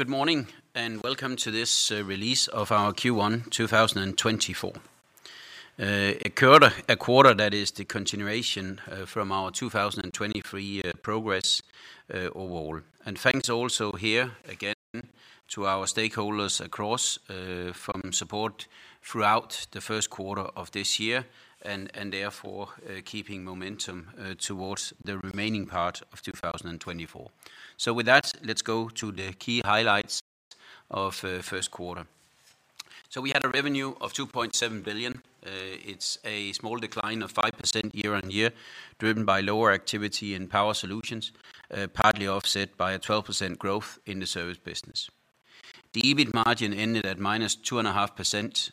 Good morning, and welcome to this release of our Q1 2024. A quarter that is the continuation from our 2023 progress overall. And thanks also here again to our stakeholders across, from support throughout the Q1 of this year, and therefore keeping momentum towards the remaining part of 2024. So with that, let's go to the key highlights of Q1. So we had a revenue of 2.7 billion. It's a small decline of 5% year-on-year, driven by lower activity in Power Solutions, partly offset by a 12% growth in the service business. The EBIT margin ended at -2.5%.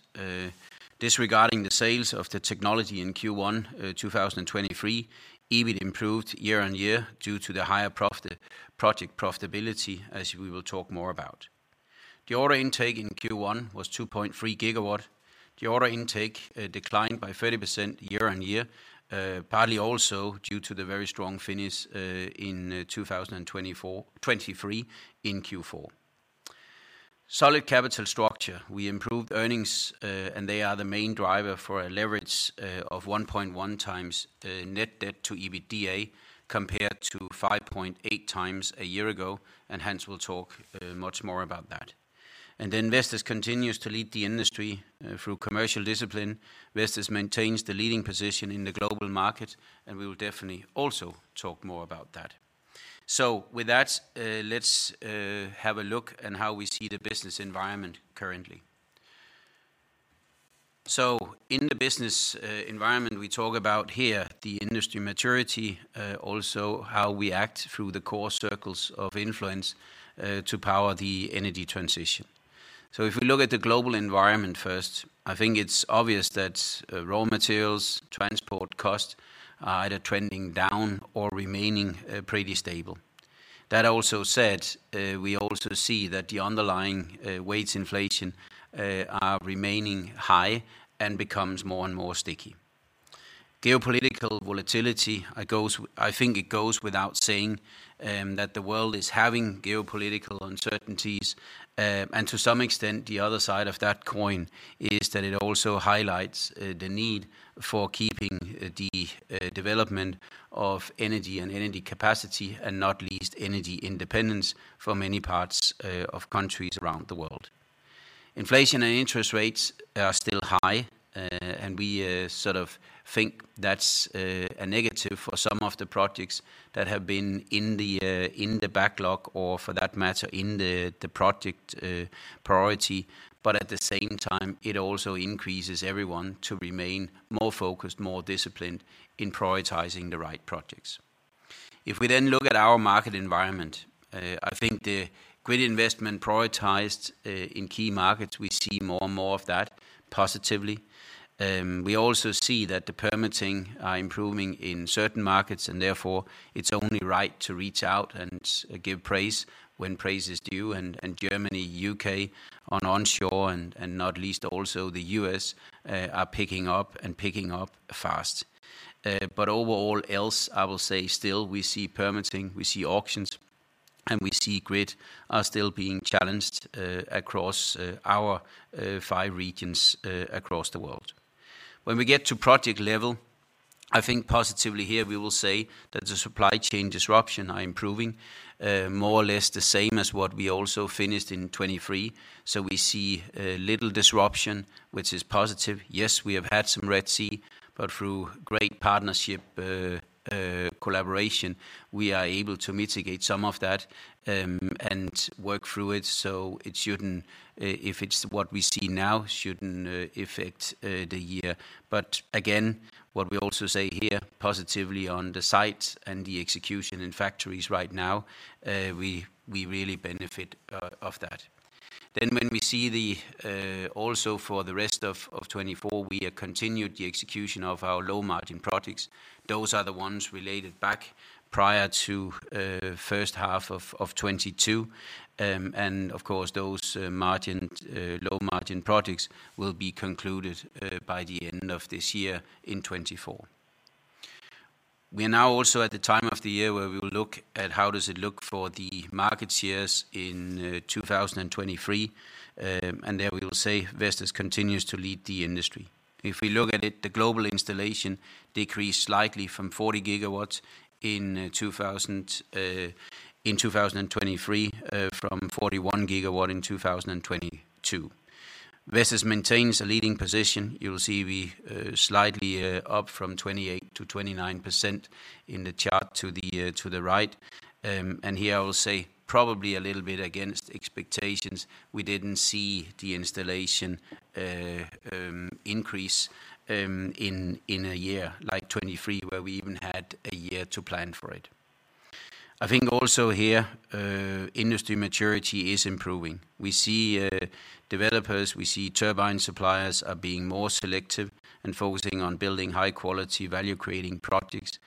Disregarding the sales of the technology in Q1 2023, EBIT improved year-on-year due to the higher profit project profitability, as we will talk more about. The order intake in Q1 was 2.3 GW. The order intake declined by 30% year-on-year, partly also due to the very strong finish in 2023 in Q4. Solid capital structure. We improved earnings, and they are the main driver for a leverage of 1.1x net debt to EBITDA, compared to 5.8x a year ago, and hence we'll talk much more about that. Vestas continues to lead the industry through commercial discipline. Vestas maintains the leading position in the global market, and we will definitely also talk more about that. So with that, let's have a look at how we see the business environment currently. So in the business environment, we talk about here, the industry maturity, also how we act through the core circles of influence, to power the energy transition. So if we look at the global environment first, I think it's obvious that raw materials, transport costs are either trending down or remaining pretty stable. That also said, we also see that the underlying wage inflation are remaining high and becomes more and more sticky. Geopolitical volatility, I think it goes without saying that the world is having geopolitical uncertainties, and to some extent, the other side of that coin is that it also highlights the need for keeping the development of energy and energy capacity, and not least, energy independence for many parts of countries around the world. Inflation and interest rates are still high, and we sort of think that's a negative for some of the projects that have been in the backlog, or for that matter, in the project priority. But at the same time, it also increases everyone to remain more focused, more disciplined in prioritizing the right projects. If we then look at our market environment, I think the grid investment prioritized in key markets, we see more and more of that positively. We also see that the permitting are improving in certain markets, and therefore, it's only right to reach out and give praise when praise is due, and Germany, U.K. on onshore and not least also the U.S. are picking up and picking up fast. But overall else, I will say still we see permitting, we see auctions, and we see grid are still being challenged across our five regions across the world. When we get to project level, I think positively here we will say that the supply chain disruption are improving more or less the same as what we also finished in 2023. So we see a little disruption, which is positive. Yes, we have had some Red Sea, but through great partnership, collaboration, we are able to mitigate some of that, and work through it, so it shouldn't, if it's what we see now, shouldn't, affect, the year. But again, what we also say here, positively on the sites and the execution in factories right now, we, we really benefit, of that. Then when we see the, also for the rest of, of 2024, we have continued the execution of our low-margin projects. Those are the ones related back prior to, first half of, of 2022. And of course, those, margin, low-margin projects will be concluded, by the end of this year in 2024. We are now also at the time of the year where we will look at how does it look for the market shares in 2023, and there we will say Vestas continues to lead the industry. If we look at it, the global installation decreased slightly from 40 GW in 2023 from 41 GW in 2022. Vestas maintains a leading position. You will see we slightly up from 28%-29% in the chart to the right. Here I will say probably a little bit against expectations, we didn't see the installation increase in a year like 2023, where we even had a year to plan for it. I think also here industry maturity is improving. We see developers, we see turbine suppliers are being more selective and focusing on building high-quality, value-creating projects.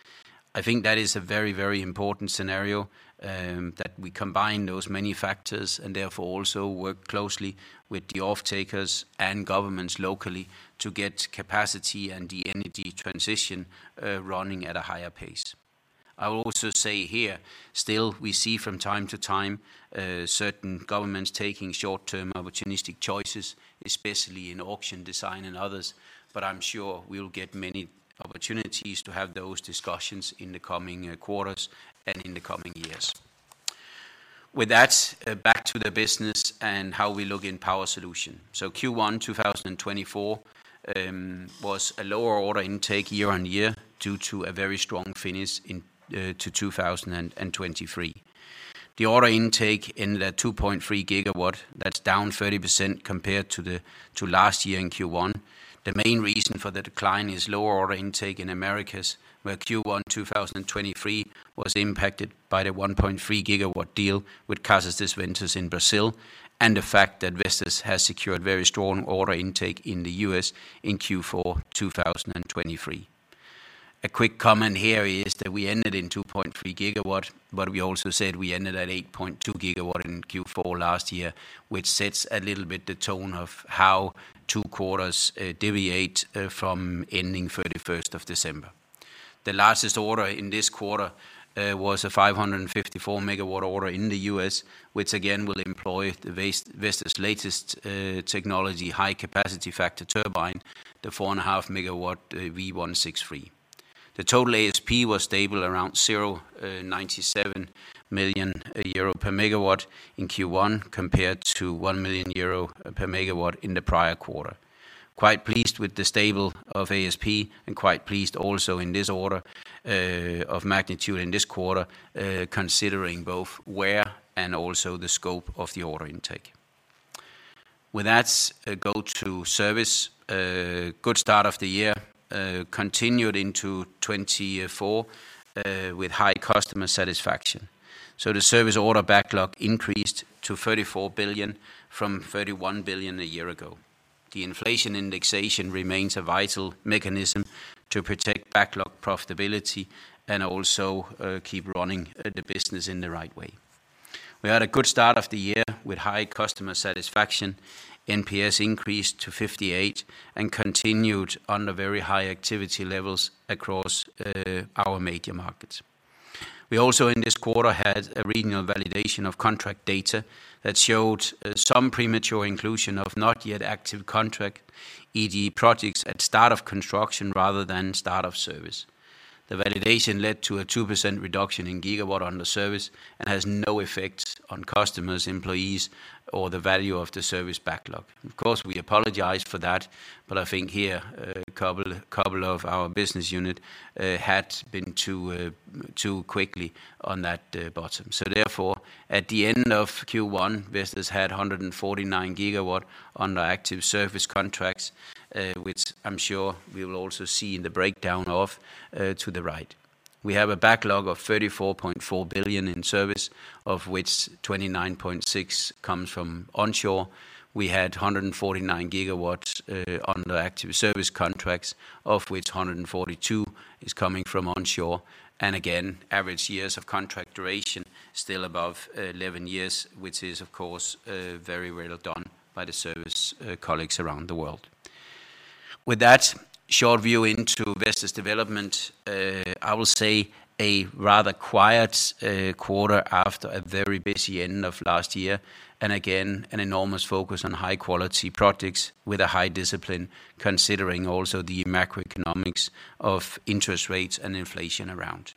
I think that is a very, very important scenario that we combine those many factors and therefore also work closely with the off-takers and governments locally to get capacity and the energy transition running at a higher pace. I will also say here, still we see from time to time certain governments taking short-term opportunistic choices, especially in auction design and others, but I'm sure we'll get many opportunities to have those discussions in the coming quarters and in the coming years. With that, back to the business and how we look in Power Solutions. So Q1 2024 was a lower order intake year-on-year, due to a very strong finish in 2023. The order intake in the 2.3 GW, that's down 30% compared to last year in Q1. The main reason for the decline is lower order intake in Americas, where Q1 2023 was impacted by the 1.3 GW deal with Casas dos Ventos in Brazil, and the fact that Vestas has secured very strong order intake in the US in Q4 2023. A quick comment here is that we ended in 2.3 GW, but we also said we ended at 8.2 GW in Q4 last year, which sets a little bit the tone of how two quarters deviate from ending December 31. The largest order in this quarter was a 554-MW order in the U.S., which again will employ the Vestas latest technology, high capacity factor turbine, the 4.5-MW V163. The total ASP was stable around 0.97 million euro per MW in Q1, compared to 1 million euro per MW in the prior quarter. Quite pleased with the stable of ASP and quite pleased also in this order of magnitude in this quarter, considering both where and also the scope of the order intake. With that, go to service. Good start of the year continued into 2024 with high customer satisfaction. So the service order backlog increased to 34 billion from 31 billion a year ago. The inflation indexation remains a vital mechanism to protect backlog profitability and also keep running the business in the right way. We had a good start of the year with high customer satisfaction. NPS increased to 58 and continued under very high activity levels across our major markets. We also, in this quarter, had a regional validation of contract data that showed some premature inclusion of not yet active contracted projects at start of construction rather than start of service. The validation led to a 2% reduction in gigawatt under service and has no effect on customers, employees, or the value of the service backlog. Of course, we apologize for that, but I think here, a couple of our business unit had been too quickly on that bottom. So therefore, at the end of Q1, Vestas had 149 gigawatts under active service contracts, which I'm sure we will also see in the breakdown of to the right. We have a backlog of 34.4 billion in service, of which 29.6 billion comes from onshore. We had 149 gigawatts under active service contracts, of which 142 is coming from onshore, and again, average years of contract duration still above 11 years, which is, of course, very well done by the service colleagues around the world. With that short view into Vestas development, I will say a rather quiet quarter after a very busy end of last year, and again, an enormous focus on high-quality projects with a high discipline, considering also the macroeconomics of interest rates and inflation around.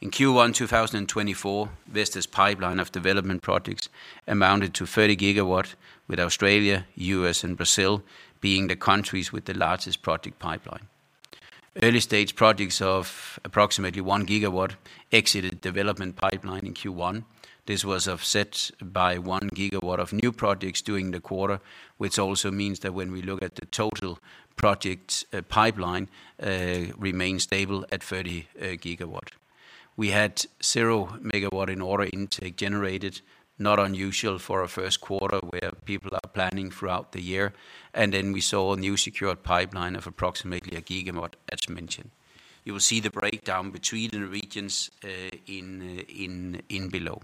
In Q1 2024, Vestas pipeline of development projects amounted to 30 GW, with Australia, U.S., and Brazil being the countries with the largest project pipeline. Early stage projects of approximately 1 GW exited development pipeline in Q1. This was offset by 1 GW of new projects during the quarter, which also means that when we look at the total project pipeline remains stable at 30 GW. We had 0 MW in order intake generated, not unusual for a Q1 where people are planning throughout the year, and then we saw a new secured pipeline of approximately 1 GW, as mentioned. You will see the breakdown between the regions in below.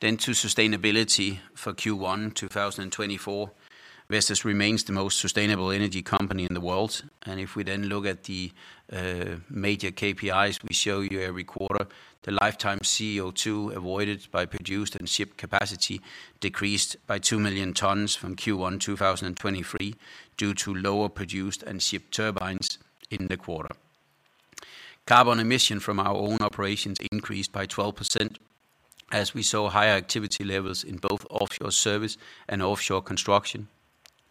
Then to sustainability for Q1 2024, Vestas remains the most sustainable energy company in the world. And if we then look at the major KPIs we show you every quarter, the lifetime CO2 avoided by produced and shipped capacity decreased by 2 million tons from Q1 2023, due to lower produced and shipped turbines in the quarter. Carbon emission from our own operations increased by 12%, as we saw higher activity levels in both offshore service and offshore construction,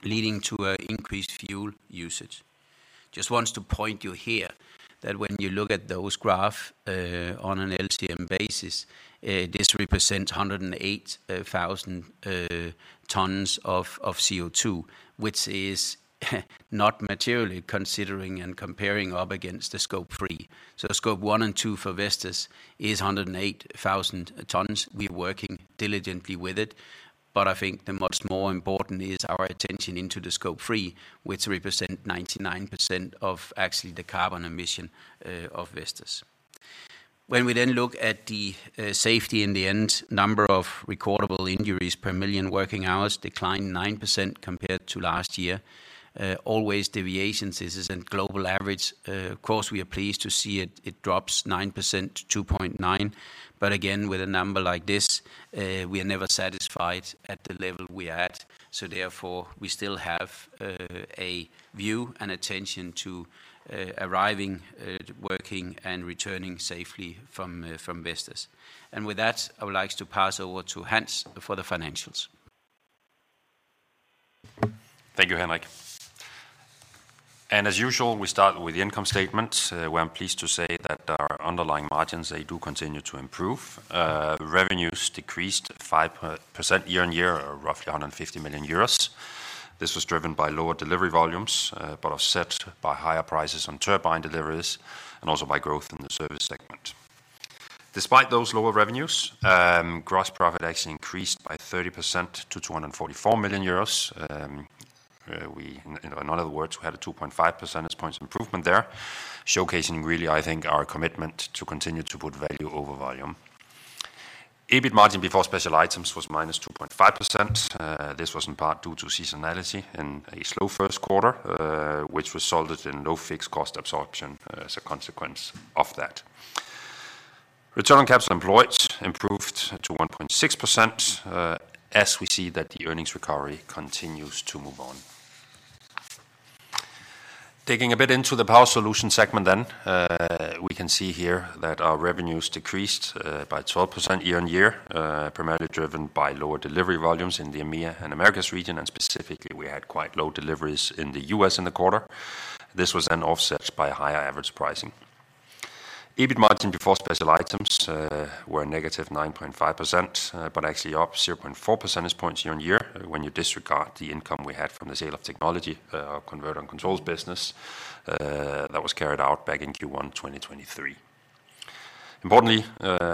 leading to an increased fuel usage. Just want to point you here that when you look at those graphs on an LTM basis, this represents 108,000 tons of CO2, which is not materially considering and comparing up against the Scope 3. So Scope 1 and 2 for Vestas is 108,000 tons. We're working diligently with it, but I think the much more important is our attention into the Scope 3, which represent 99% of actually the carbon emission of Vestas. When we then look at the safety in the end, number of recordable injuries per million working hours declined 9% compared to last year. Always deviations, this is a global average. Of course, we are pleased to see it; it drops 9% to 2.9. But again, with a number like this, we are never satisfied at the level we are at. So therefore, we still have a view and attention to arriving, working, and returning safely from Vestas. And with that, I would like to pass over to Hans for the financials. Thank you, Henrik. As usual, we start with the income statement, where I'm pleased to say that our underlying margins, they do continue to improve. Revenues decreased 5% year-on-year, or roughly 150 million euros. This was driven by lower delivery volumes, but offset by higher prices on turbine deliveries and also by growth in the service segment. Despite those lower revenues, gross profit actually increased by 30% to 244 million euros. In other words, we had a 2.5 percentage points improvement there, showcasing really, I think, our commitment to continue to put value over volume. EBIT margin before special items was -2.5%. This was in part due to seasonality and a slow Q1, which resulted in low fixed cost absorption as a consequence of that. Return on capital employed improved to 1.6%, as we see that the earnings recovery continues to move on. Digging a bit into the Power Solutions segment then, we can see here that our revenues decreased by 12% year-on-year, primarily driven by lower delivery volumes in the EMEA and Americas region, and specifically, we had quite low deliveries in the US in the quarter. This was then offset by higher average pricing. EBIT margin before special items were negative 9.5%, but actually up 0.4 percentage points year-on-year when you disregard the income we had from the sale of technology, our converter and controls business, that was carried out back in Q1 2023. Importantly,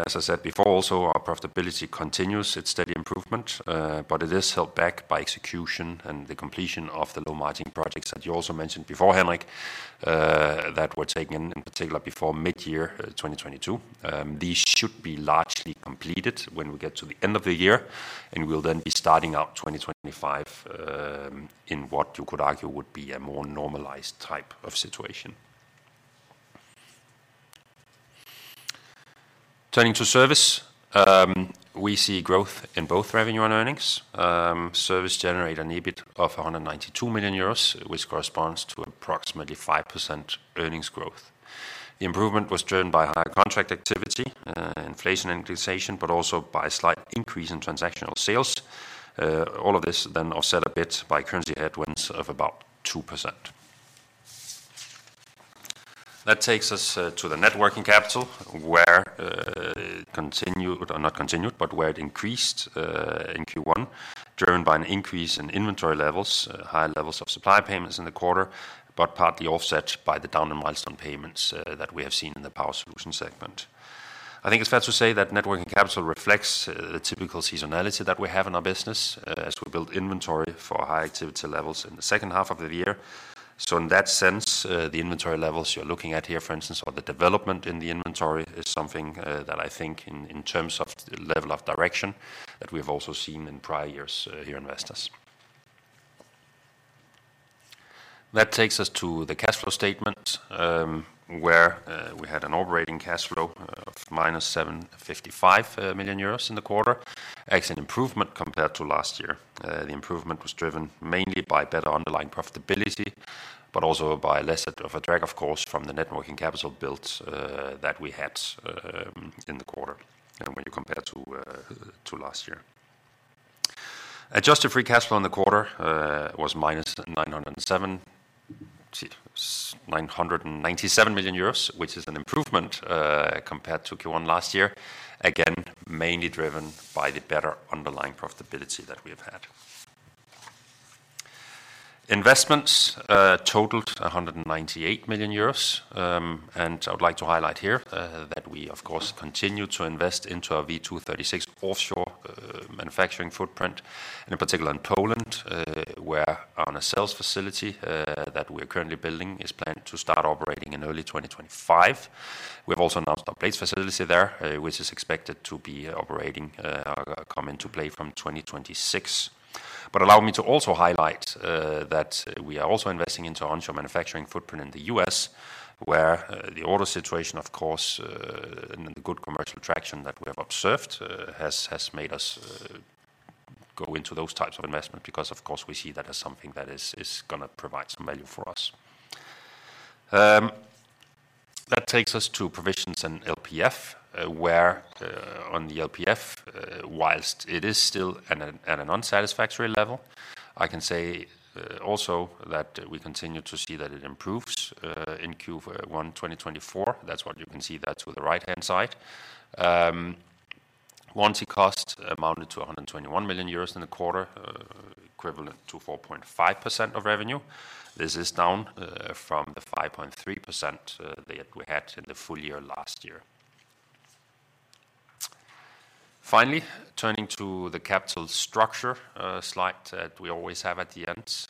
as I said before, also, our profitability continues its steady improvement, but it is held back by execution and the completion of the low-margin projects that you also mentioned before, Henrik, that were taken, in particular, before mid-2022. These should be largely completed when we get to the end of the year, and we'll then be starting out 2025, in what you could argue would be a more normalized type of situation. Turning to service, we see growth in both revenue and earnings. Service generated an EBIT of 192 million euros, which corresponds to approximately 5% earnings growth. The improvement was driven by higher contract activity, inflation and indexation, but also by a slight increase in transactional sales. All of this then offset a bit by currency headwinds of about 2%. That takes us to the net working capital, where it increased in Q1, driven by an increase in inventory levels, higher levels of supply payments in the quarter, but partly offset by the decline in milestone payments that we have seen in the Power Solutions segment. I think it's fair to say that net working capital reflects the typical seasonality that we have in our business, as we build inventory for high activity levels in the second half of the year. So in that sense, the inventory levels you're looking at here, for instance, or the development in the inventory, is something that I think in, in terms of the level of direction, that we have also seen in prior years, here in Vestas. That takes us to the cash flow statement, where we had an operating cash flow of -755 million euros in the quarter, actually an improvement compared to last year. The improvement was driven mainly by better underlying profitability, but also by less of a drag, of course, from the net working capital build that we had in the quarter, and when you compare to, to last year. Adjusted free cash flow in the quarter was -907 million euros. 997 million euros, which is an improvement compared to Q1 last year, again, mainly driven by the better underlying profitability that we have had. Investments totaled 198 million euros, and I would like to highlight here that we, of course, continue to invest into our V236 offshore manufacturing footprint, and in particular in Poland, where our nacelles facility that we're currently building is planned to start operating in early 2025. We've also announced a blades facility there, which is expected to be operating come into play from 2026. But allow me to also highlight that we are also investing into onshore manufacturing footprint in the US, where the order situation, of course, and the good commercial traction that we have observed has made us go into those types of investment, because, of course, we see that as something that is gonna provide some value for us. That takes us to provisions in LPF, where on the LPF, whilst it is still at an unsatisfactory level, I can say also that we continue to see that it improves in Q1 2024. That's what you can see that to the right-hand side. Warranty costs amounted to 121 million euros in the quarter, equivalent to 4.5% of revenue. This is down from the 5.3% that we had in the full year last year. Finally, turning to the capital structure slide that we always have at the end.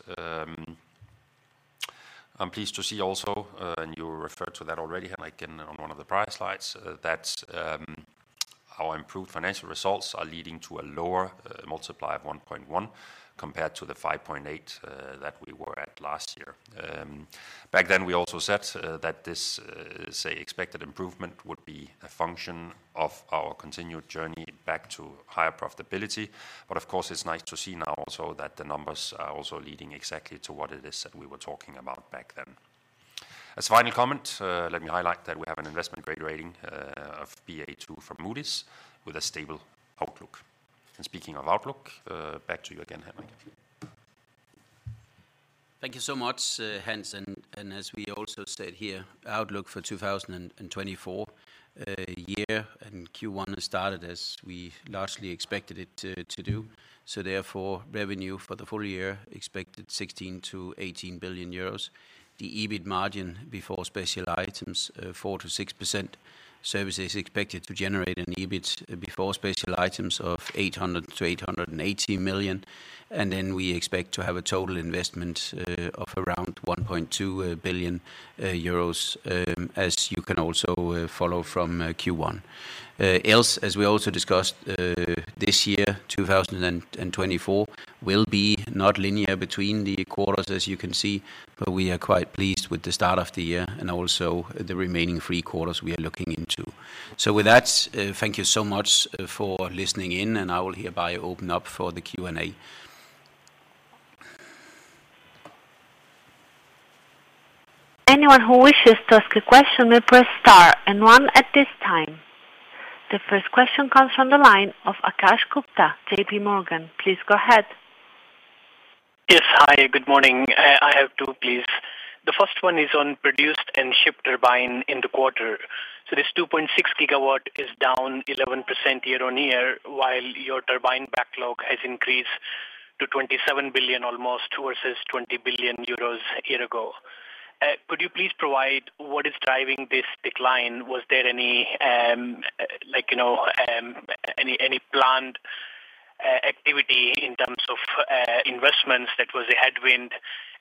I'm pleased to see also, and you referred to that already, Henrik, on one of the prior slides, that our improved financial results are leading to a lower multiplier of 1.1, compared to the 5.8 that we were at last year. Back then, we also said that this expected improvement would be a function of our continued journey back to higher profitability. But of course, it's nice to see now also that the numbers are also leading exactly to what it is that we were talking about back then. As a final comment, let me highlight that we have an investment-grade rating of Baa2 from Moody's, with a stable outlook. Speaking of outlook, back to you again, Henrik. Thank you so much, Hans. And as we also said here, outlook for 2024 year and Q1 has started as we largely expected it to do. So therefore, revenue for the full year expected 16 billion-18 billion euros. The EBIT margin before special items 4%-6%. Service is expected to generate an EBIT before special items of 800 million-880 million, and then we expect to have a total investment of around 1.2 billion euros, as you can also follow from Q1. Else, as we also discussed, this year, 2024, will be not linear between the quarters, as you can see, but we are quite pleased with the start of the year and also the remaining three we are looking into. So with that, thank you so much for listening in, and I will hereby open up for the Q&A. Anyone who wishes to ask a question may press star one at this time. The first question comes from the line of Akash Gupta, J.P. Morgan. Please go ahead. Yes. Hi, good morning. I have two, please. The first one is on produced and shipped turbine in the quarter. So this 2.6 GW is down 11% year-on-year, while your turbine backlog has increased to almost 27 billion from 20 billion euros a year ago. Could you please provide what is driving this decline? Was there any, like, you know, any planned activity in terms of investments that was a headwind?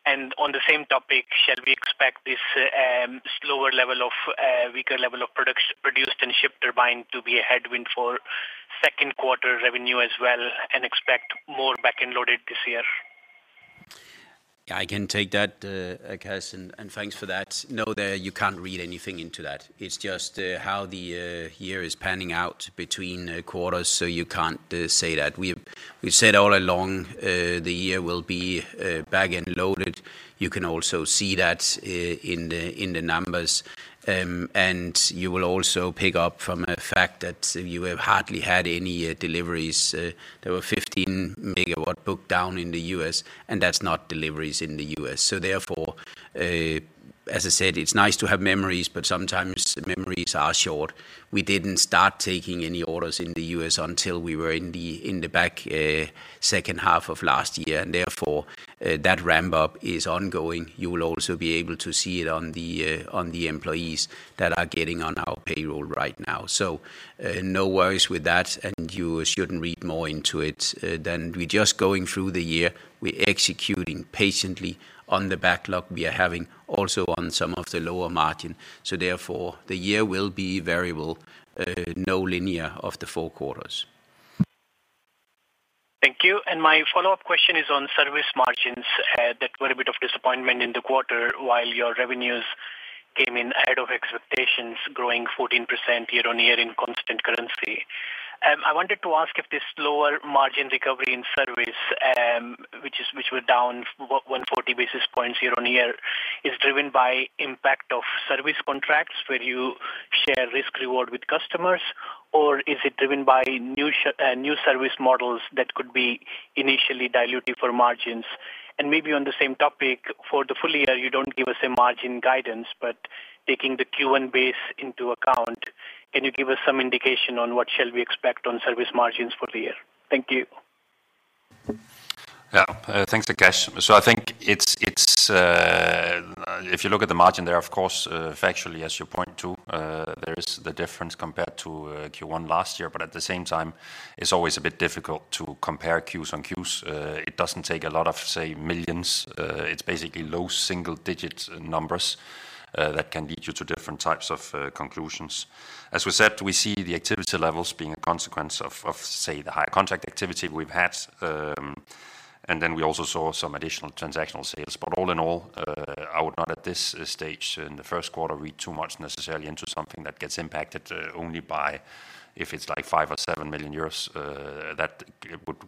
And on the same topic, shall we expect this slower level of weaker level of produced and shipped turbine to be a headwind for Q2 revenue as well, and expect more back-end loaded this year? I can take that, Akash, and, and thanks for that. No, there, you can't read anything into that. It's just, how the, year is panning out between, quarters, so you can't, say that. We've, we've said all along, the year will be, back-end loaded. You can also see that, in the, in the numbers. And you will also pick up from a fact that you have hardly had any, deliveries. There were 15 MW booked down in the U.S., and that's not deliveries in the U.S. So therefore, as I said, it's nice to have memories, but sometimes the memories are short. We didn't start taking any orders in the U.S. until we were in the, in the back, second half of last year, and therefore, that ramp up is ongoing. You will also be able to see it on the, on the employees that are getting on our payroll right now. So, no worries with that, and you shouldn't read more into it than we're just going through the year. We're executing patiently on the backlog we are having, also on some of the lower margin. So therefore, the year will be variable, non-linear of the Q4. Thank you. And my follow-up question is on service margins that were a bit of disappointment in the quarter, while your revenues came in ahead of expectations, growing 14% year-on-year in constant currency. I wanted to ask if this lower margin recovery in service, which were down 140 basis points year-on-year, is driven by impact of service contracts where you share risk reward with customers? Or is it driven by new service models that could be initially dilutive for margins? And maybe on the same topic, for the full year, you don't give us a margin guidance, but taking the Q1 base into account, can you give us some indication on what shall we expect on service margins for the year? Thank you. Yeah, thanks, Akash. So I think it's if you look at the margin there, of course, factually, as you point to, there is the difference compared to Q1 last year. But at the same time, it's always a bit difficult to compare Qs on Qs. It doesn't take a lot of, say, millions. It's basically low single-digit numbers that can lead you to different types of conclusions. As we said, we see the activity levels being a consequence of, say, the higher contract activity we've had, and then we also saw some additional transactional sales. But all in all, I would not, at this stage in the Q1, read too much necessarily into something that gets impacted only by if it's like 5 or 7 million euros, that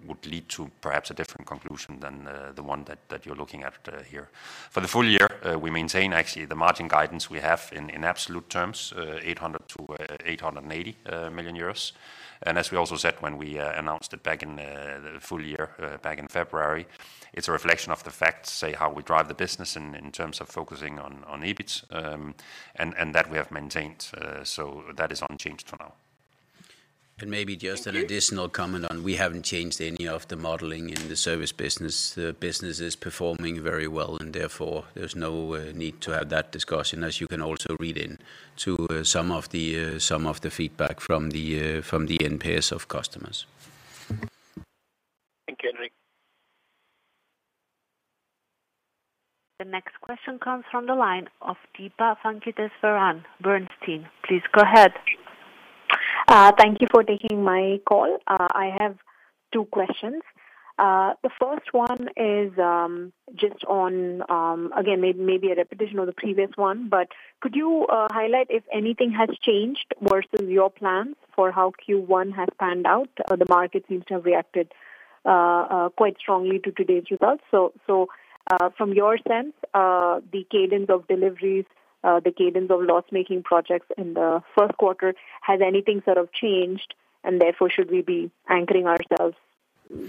would lead to perhaps a different conclusion than the one that you're looking at here. For the full year, we maintain actually the margin guidance we have in absolute terms, 800 million-880 million euros. And as we also said when we announced it back in the full year back in February, it's a reflection of the fact, say, how we drive the business in terms of focusing on EBIT, and that we have maintained, so that is unchanged for now. And maybe just an additional comment on. We haven't changed any of the modeling in the service business. The business is performing very well, and therefore there's no need to have that discussion, as you can also read in to some of the feedback from the NPS of customers. Thank You. The next question comes from the line of Deepa Venkateswaran, Bernstein. Please go ahead. Thank you for taking my call. I have two questions. The first one is, just on, again, maybe a repetition of the previous one, but could you highlight if anything has changed versus your plans for how Q1 has panned out? The market seems to have reacted quite strongly to today's results. So, from your sense, the cadence of deliveries, the cadence of loss-making projects in the Q1, has anything sort of changed, and therefore, should we be anchoring ourselves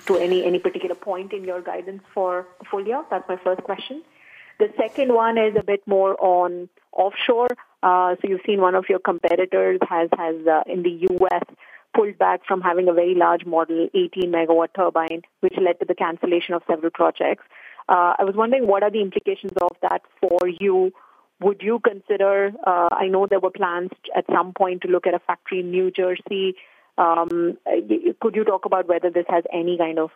to any particular point in your guidance for the full year? That's my first question. The second one is a bit more on offshore. So you've seen one of your competitors has in the U.S. pulled back from having a very large model, 18-megawatt turbine, which led to the cancellation of several projects. I was wondering, what are the implications of that for you? Would you consider... I know there were plans at some point to look at a factory in New Jersey. Could you talk about whether this has any kind of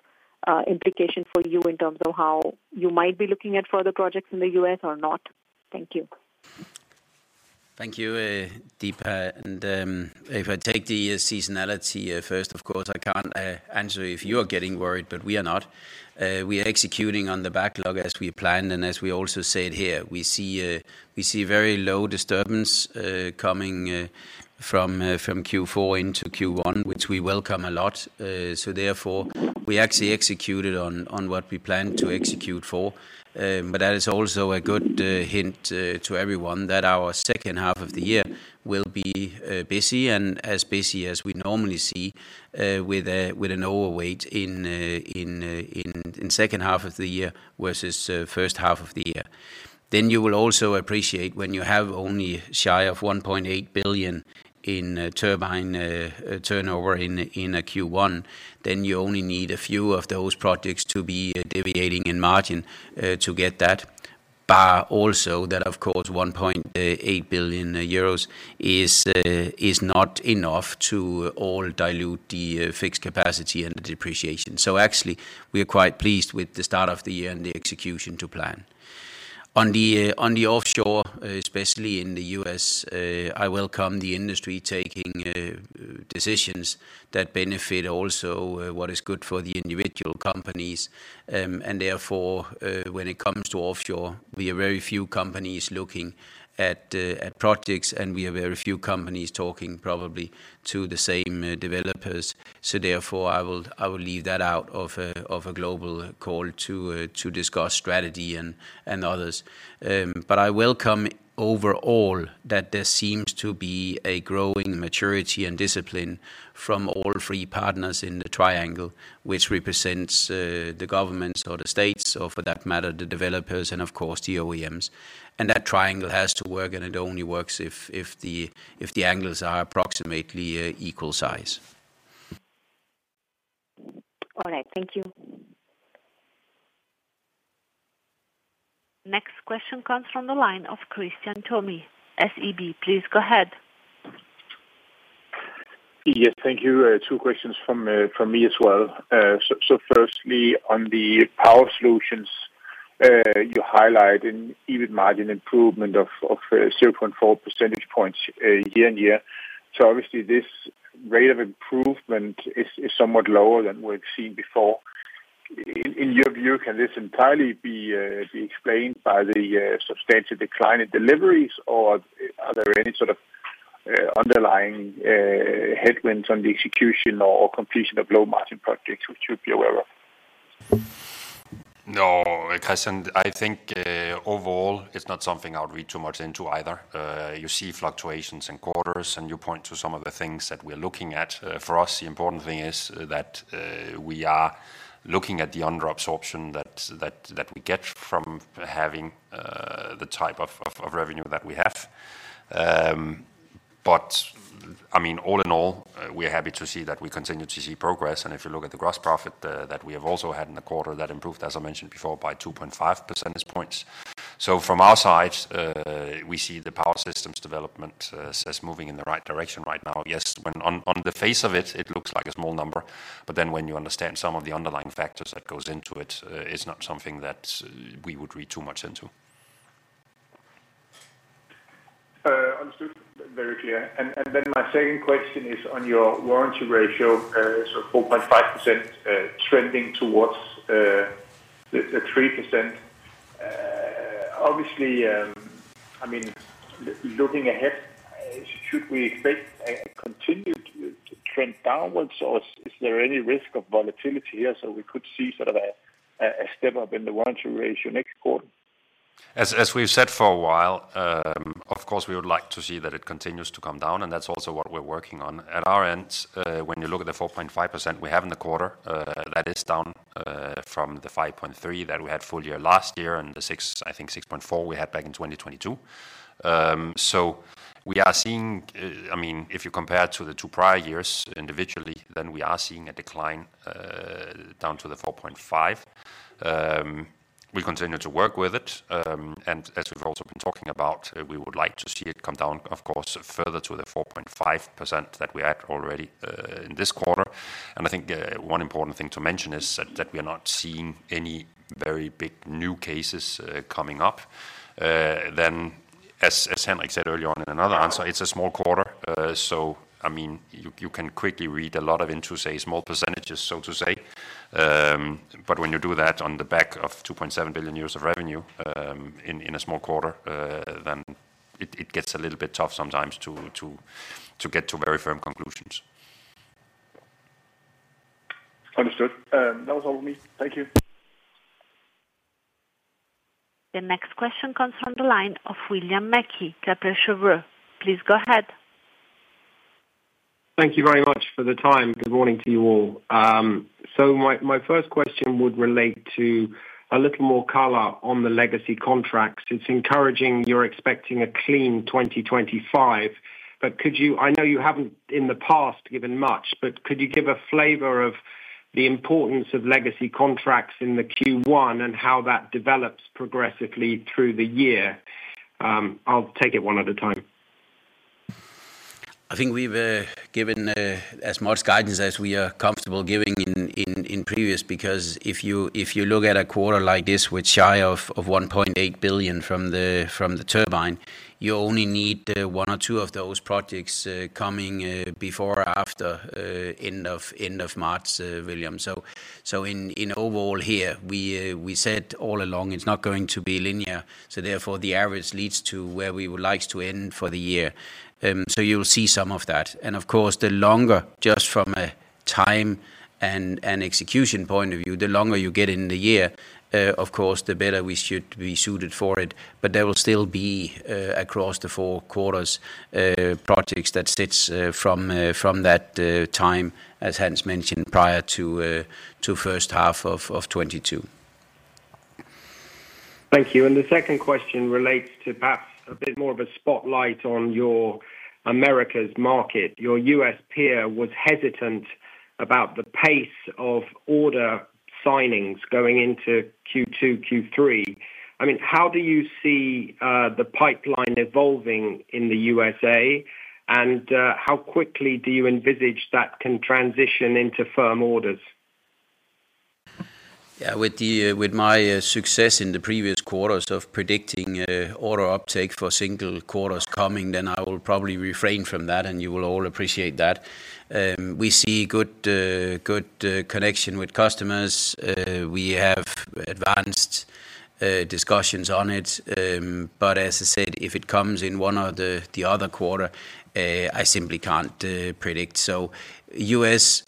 implication for you in terms of how you might be looking at further projects in the U.S. or not? Thank you. Thank you, Deepa. If I take the seasonality first, of course, I can't answer if you are getting worried, but we are not. We are executing on the backlog as we planned, and as we also said here, we see, we see very low disturbance coming from Q4 into Q1, which we welcome a lot. So therefore, we actually executed on what we planned to execute for. But that is also a good hint to everyone, that our second half of the year will be busy, and as busy as we normally see, with an overweight in second half of the year versus first half of the year. Then you will also appreciate when you have only shy of 1.8 billion in turbine turnover in a Q1, then you only need a few of those projects to be deviating in margin to get that. But also, that, of course, 1.8 billion euros is not enough to fully dilute the fixed capacity and the depreciation. So actually, we are quite pleased with the start of the year and the execution to plan. On the offshore, especially in the U.S., I welcome the industry taking decisions that benefit also what is good for the individual companies. And therefore, when it comes to offshore, we are very few companies looking at projects, and we are very few companies talking probably to the same developers. So therefore, I will leave that out of a global call to discuss strategy and others. But I welcome overall that there seems to be a growing maturity and discipline from all three partners in the triangle, which represents the governments or the states, or for that matter, the developers and of course, the OEMs. And that triangle has to work, and it only works if the angles are approximately equal size. All right. Thank you. Next question comes from the line of Kristian Tornøe, SEB. Please go ahead. Yes, thank you. Two questions from me as well. So, firstly, on the Power Solutions, you highlight an EBIT margin improvement of 0.4 percentage points year-on-year. So obviously, this rate of improvement is somewhat lower than we've seen before. In your view, can this entirely be explained by the substantial decline in deliveries? Or are there any sort of underlying headwinds on the execution or completion of low-margin projects which we should be aware of? No, Christian, I think, overall, it's not something I would read too much into either. You see fluctuations in quarters, and you point to some of the things that we're looking at. For us, the important thing is that, we are looking at the under absorption that we get from having, the type of revenue that we have. But I mean, all in all, we are happy to see that we continue to see progress. And if you look at the gross profit, that we have also had in the quarter, that improved, as I mentioned before, by 2.5 percentage points. So from our side, we see the power systems development, as moving in the right direction right now. Yes, when on the face of it, it looks like a small number, but then when you understand some of the underlying factors that goes into it, it's not something that we would read too much into. Understood. Very clear. And then my second question is on your warranty ratio, so 4.5%, trending towards the 3%. Obviously, I mean, looking ahead, should we expect a continued trend downwards, or is there any risk of volatility here so we could see sort of a step up in the warranty ratio next quarter? As we've said for a while, of course, we would like to see that it continues to come down, and that's also what we're working on. At our end, when you look at the 4.5% we have in the quarter, that is down, from the 5.3 that we had full year last year, and the six, I think 6.4, we had back in 2022. So we are seeing, I mean, if you compare to the two prior years individually, then we are seeing a decline, down to the 4.5. We continue to work with it, and as we've also been talking about, we would like to see it come down, of course, further to the 4.5% that we had already, in this quarter. I think one important thing to mention is that that we are not seeing any very big new cases coming up. Then, as Henrik said earlier on in another answer, it's a small quarter. So I mean, you can quickly read a lot into, say, small percentages, so to say. But when you do that on the back of 2.7 billion euros of revenue, in a small quarter, then it gets a little bit tough sometimes to get to very firm conclusions. Understood. That was all me. Thank you. The next question comes from the line of William Mackie, Kepler Cheuvreux. Please go ahead. Thank you very much for the time. Good morning to you all. So my first question would relate to a little more color on the legacy contracts. It's encouraging you're expecting a clean 2025, but could you, I know you haven't in the past given much, but could you give a flavor of the importance of legacy contracts in the Q1, and how that develops progressively through the year? I'll take it one at a time. I think we've given as much guidance as we are comfortable giving in previous. Because if you look at a quarter like this with shy of 1.8 billion from the turbine, you only need one or two of those projects coming before or after end of March, William. So in overall here, we said all along, it's not going to be linear, so therefore, the average leads to where we would like to end for the year. So you'll see some of that. And of course, the longer, just from a time and execution point of view, the longer you get in the year, of course, the better we should be suited for it. But there will still be, across the Q4, projects that sits from that time, as Hans mentioned, prior to first half of 2022. Thank you. The second question relates to perhaps a bit more of a spotlight on your Americas market. Your US peer was hesitant about the pace of order signings going into Q2, Q3. I mean, how do you see the pipeline evolving in the USA? And how quickly do you envisage that can transition into firm orders? Yeah, with my success in the previous quarters of predicting order uptake for single quarters coming, then I will probably refrain from that, and you will all appreciate that. We see good connection with customers. We have advanced discussions on it. But as I said, if it comes in one or the other quarter, I simply can't predict. So U.S.,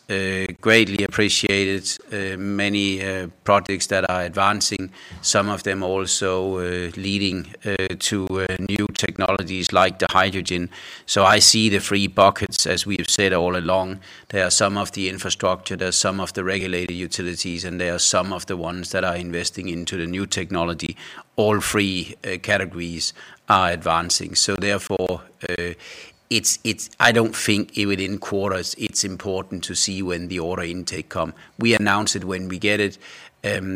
greatly appreciated, many projects that are advancing. Some of them also leading to new technologies like the hydrogen. So I see the three buckets, as we have said all along. There are some of the infrastructure, there are some of the regulated utilities, and there are some of the ones that are investing into the new technology. All three categories are advancing. So therefore, I don't think even in quarters it's important to see when the order intake come. We announce it when we get it.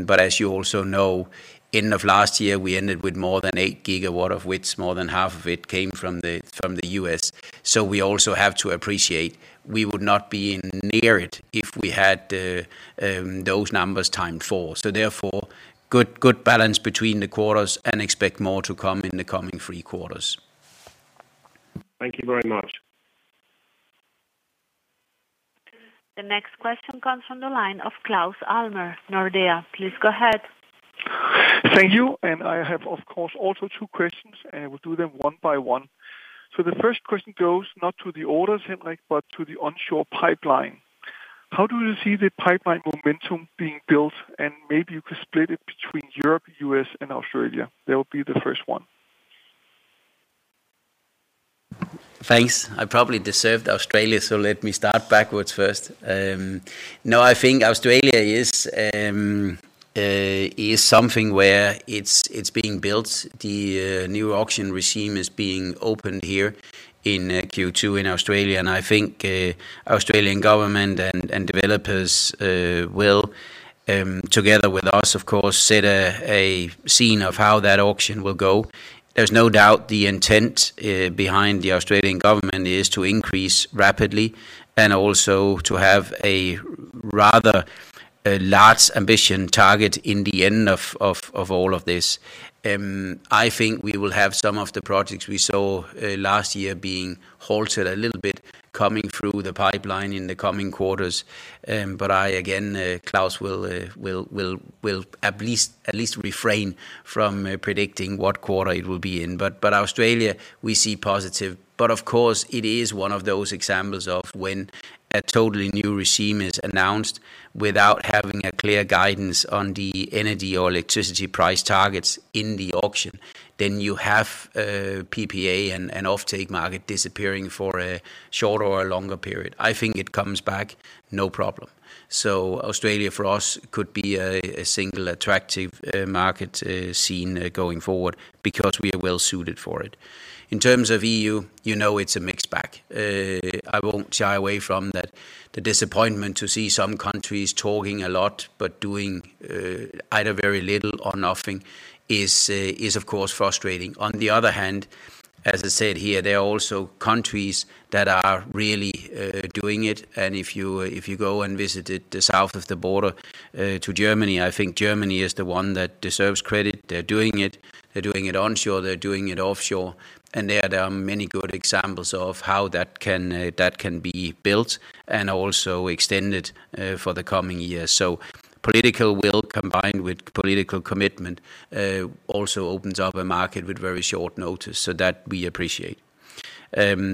But as you also know, end of last year, we ended with more than 8 gigawatts, of which more than half of it came from the US. So we also have to appreciate we would not be near it if we had those numbers times four. So therefore, good balance between the quarters and expect more to come in the coming Q3. Thank you very much. The next question comes from the line of Claus Almer, Nordea. Please go ahead. Thank you. And I have, of course, also two questions, and we'll do them one by one. So the first question goes not to the orders, Henrik, but to the onshore pipeline. How do you see the pipeline momentum being built? And maybe you could split it between Europe, U.S., and Australia. That will be the first one. Thanks. I probably deserved Australia, so let me start backwards first. No, I think Australia is something where it's being built. The new auction regime is being opened here in Q2 in Australia, and I think Australian government and developers will together with us, of course, set a scene of how that auction will go. There's no doubt the intent behind the Australian government is to increase rapidly and also to have a rather large ambition target in the end of all of this. I think we will have some of the projects we saw last year being halted a little bit, coming through the pipeline in the coming quarters. But again, Claus will at least refrain from predicting what quarter it will be in. But Australia, we see positive. But of course, it is one of those examples of when a totally new regime is announced without having a clear guidance on the energy or electricity price targets in the auction, then you have PPA and offtake market disappearing for a shorter or a longer period. I think it comes back, no problem. So Australia, for us, could be a single attractive market seen going forward because we are well suited for it. In terms of EU, you know, it's a mixed bag. I won't shy away from that. The disappointment to see some countries talking a lot but doing either very little or nothing is of course frustrating. On the other hand, as I said here, there are also countries that are really doing it, and if you go and visit it, the south of the border to Germany, I think Germany is the one that deserves credit. They're doing it. They're doing it onshore, they're doing it offshore, and there are many good examples of how that can be built and also extended for the coming years. So political will, combined with political commitment, also opens up a market with very short notice, so that we appreciate.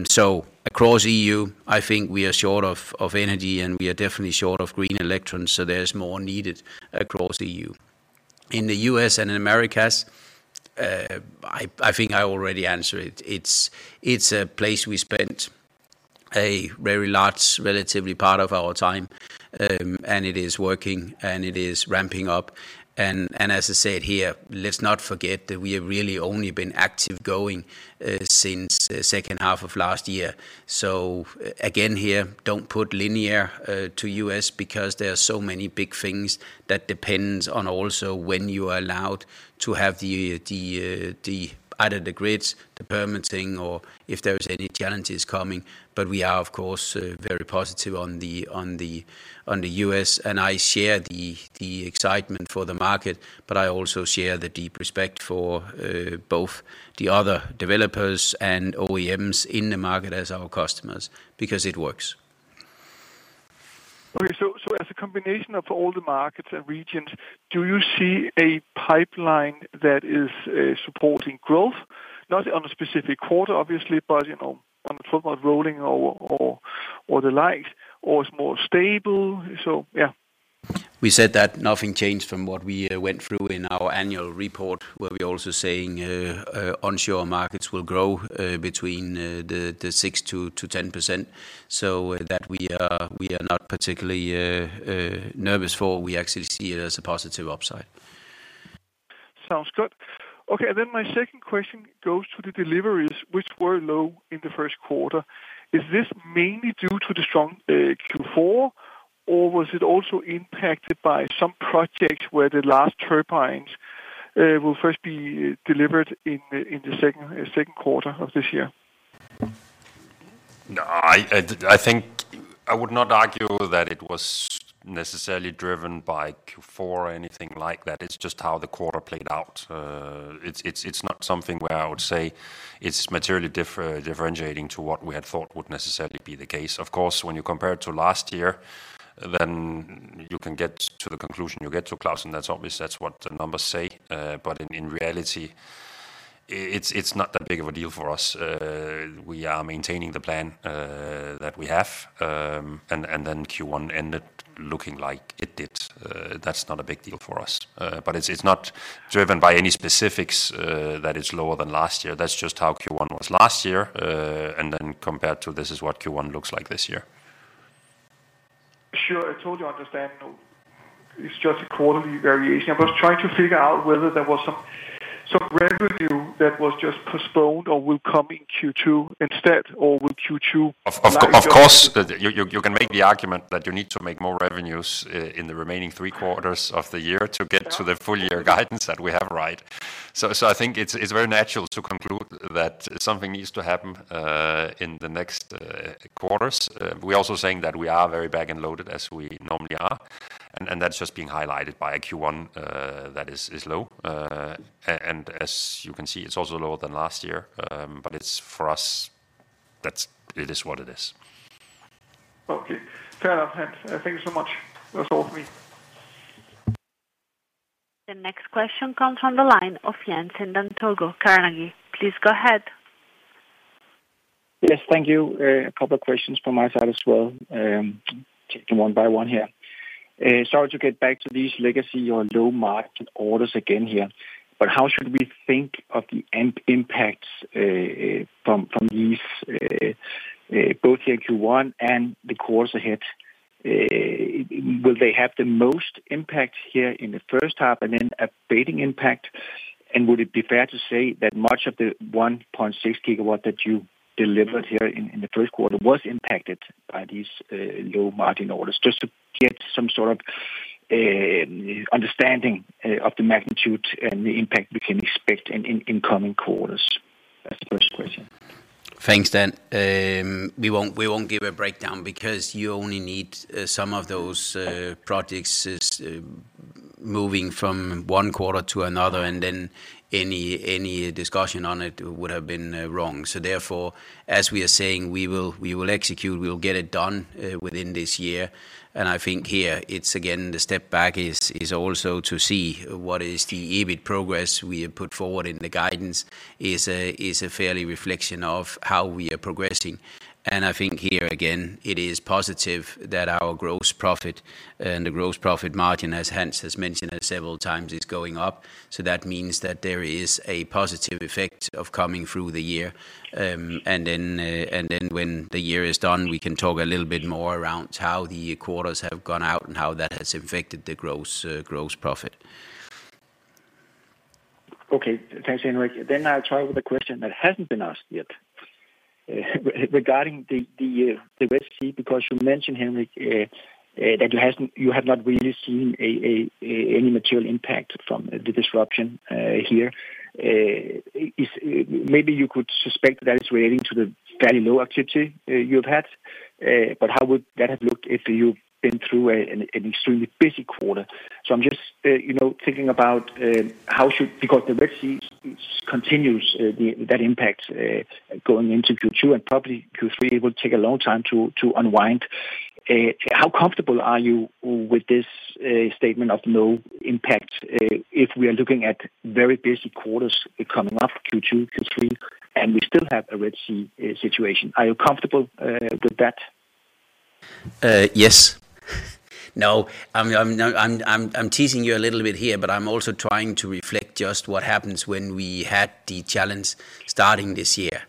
So across EU, I think we are short of energy, and we are definitely short of green electrons, so there's more needed across EU. In the U.S. and in Americas, I think I already answered it. It's a place we spent a very large, relatively part of our time, and it is working, and it is ramping up. And as I said here, let's not forget that we have really only been active going since the second half of last year. So again, here, don't put linear to U.S. because there are so many big things that depends on also when you are allowed to have the either the grids, the permitting, or if there is any challenges coming. But we are, of course, very positive on the U.S., and I share the excitement for the market, but I also share the deep respect for both the other developers and OEMs in the market as our customers, because it works. Okay. So as a combination of all the markets and regions, do you see a pipeline that is supporting growth? Not on a specific quarter, obviously, but you know, on the front of rolling or the like, or is more stable? So yeah. We said that nothing changed from what we went through in our annual report, where we're also saying, onshore markets will grow between 6%-10%. So that we are not particularly nervous for, we actually see it as a positive upside. Sounds good. Okay, and then my second question goes to the deliveries, which were low in the Q1. Is this mainly due to the strong, Q4, or was it also impacted by some projects where the last turbines, will first be delivered in the, in the second, second quarter of this year? No, I think I would not argue that it was necessarily driven by Q4 or anything like that. It's just how the quarter played out. It's not something where I would say it's materially differentiating to what we had thought would necessarily be the case. Of course, when you compare it to last year, then you can get to the conclusion you get to Claus, and that's obvious, that's what the numbers say. But in reality, it's not that big of a deal for us. We are maintaining the plan that we have, and then Q1 ended looking like it did. That's not a big deal for us. But it's not driven by any specifics that is lower than last year. That's just how Q1 was last year, and then compared to this is what Q1 looks like this year. Sure. I totally understand. It's just a quarterly variation. I was trying to figure out whether there was some revenue that was just postponed or will come in Q2 instead, or will Q2- Of course, you can make the argument that you need to make more revenues in the remaining Q3 of the year to get to the full year guidance that we have, right? So I think it's very natural to conclude that something needs to happen in the next quarters. We're also saying that we are very back and loaded as we normally are, and that's just being highlighted by a Q1 that is low. And as you can see, it's also lower than last year, but it's for us. That's it. It is what it is. Okay. Fair enough, and thank you so much. That's all for me. The next question comes from the line of Dan Togo Jensen, Carnegie. Please go ahead. Yes, thank you. A couple of questions from my side as well. Taking one by one here. Sorry, to get back to these legacy or low margin orders again here, but how should we think of the end impacts from these both the Q1 and the quarters ahead? Will they have the most impact here in the first half and then a fading impact? And would it be fair to say that much of the 1.6 gigawatt that you delivered here in the Q1 was impacted by these low margin orders? Just to get some sort of understanding of the magnitude and the impact we can expect in coming quarters. That's the first question. Thanks, Dan. We won't, we won't give a breakdown because you only need some of those projects moving from one quarter to another, and then any, any discussion on it would have been wrong. So therefore, as we are saying, we will, we will execute, we will get it done within this year. And I think here it's again, the step back is, is also to see what is the EBIT progress we have put forward, and the guidance is a, is a fairly reflection of how we are progressing. And I think here again, it is positive that our gross profit and the gross profit margin, as Hans has mentioned it several times, is going up. So that means that there is a positive effect of coming through the year. And then, when the year is done, we can talk a little bit more around how the quarters have gone out and how that has affected the gross, gross profit. Okay. Thanks, Henrik. Then I'll try with a question that hasn't been asked yet, regarding the Red Sea, because you mentioned, Henrik, that you have not really seen any material impact from the disruption here. Is maybe you could suspect that it's relating to the fairly low activity you've had, but how would that have looked if you've been through an extremely busy quarter? So I'm just, you know, thinking about how should... Because the Red Sea continues that impact going into Q2 and probably Q3, it will take a long time to unwind.... How comfortable are you with this statement of no impact, if we are looking at very busy quarters coming up, Q2, Q3, and we still have a Red Sea situation? Are you comfortable with that? Yes. No, I'm teasing you a little bit here, but I'm also trying to reflect just what happens when we had the challenge starting this year.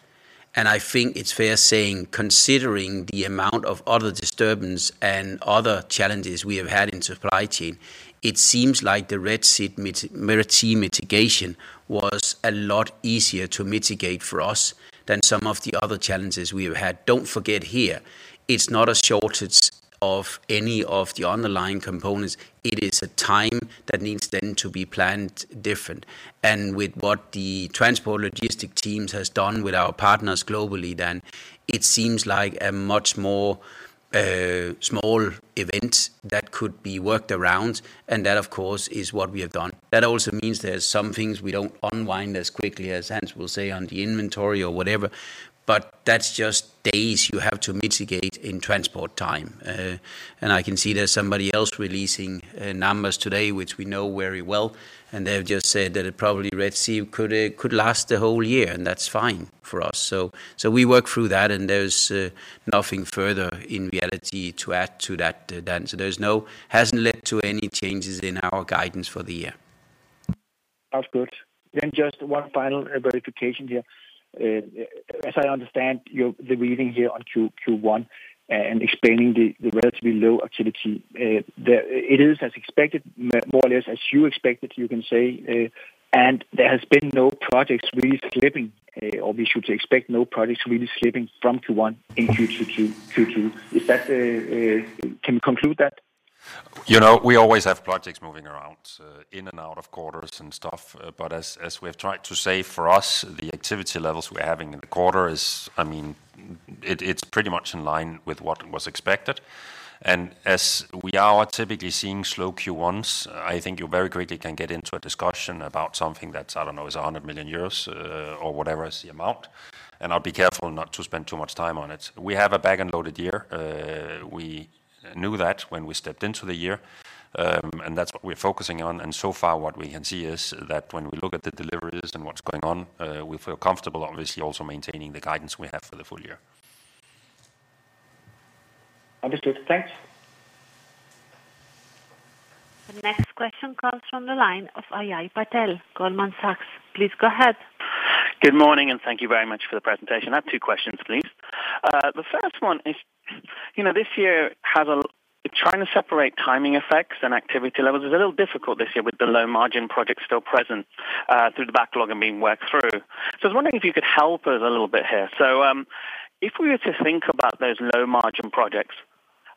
I think it's fair saying, considering the amount of other disturbance and other challenges we have had in supply chain, it seems like the Red Sea mitigation was a lot easier to mitigate for us than some of the other challenges we have had. Don't forget here, it's not a shortage of any of the underlying components. It is a time that needs then to be planned different. And with what the transport logistic teams has done with our partners globally, then it seems like a much more small event that could be worked around, and that, of course, is what we have done. That also means there are some things we don't unwind as quickly as Hans will say, on the inventory or whatever, but that's just days you have to mitigate in transport time. And I can see there's somebody else releasing numbers today, which we know very well, and they've just said that it probably Red Sea could could last the whole year, and that's fine for us. So we work through that, and there's nothing further in reality to add to that than. So there's hasn't led to any changes in our guidance for the year. Sounds good. Then just one final verification here. As I understand your, the reading here on Q1, and explaining the relatively low activity, it is as expected, more or less as you expected, you can say, and there has been no projects really slipping, or we should expect no projects really slipping from Q1 into Q2. Is that... Can we conclude that? You know, we always have projects moving around in and out of quarters and stuff. But as, as we've tried to say, for us, the activity levels we're having in the quarter is, I mean, it, it's pretty much in line with what was expected. And as we are typically seeing slow Q1s, I think you very quickly can get into a discussion about something that's, I don't know, is 100 million euros or whatever is the amount, and I'll be careful not to spend too much time on it. We have a back-end loaded year. We knew that when we stepped into the year, and that's what we're focusing on. And so far, what we can see is that when we look at the deliveries and what's going on, we feel comfortable, obviously, also maintaining the guidance we have for the full year. Understood. Thanks. The next question comes from the line of Ajay Patel, Goldman Sachs. Please go ahead. Good morning, and thank you very much for the presentation. I have two questions, please. The first one is, you know, trying to separate timing effects and activity levels is a little difficult this year with the low-margin projects still present through the backlog and being worked through. So I was wondering if you could help us a little bit here. So, if we were to think about those low-margin projects,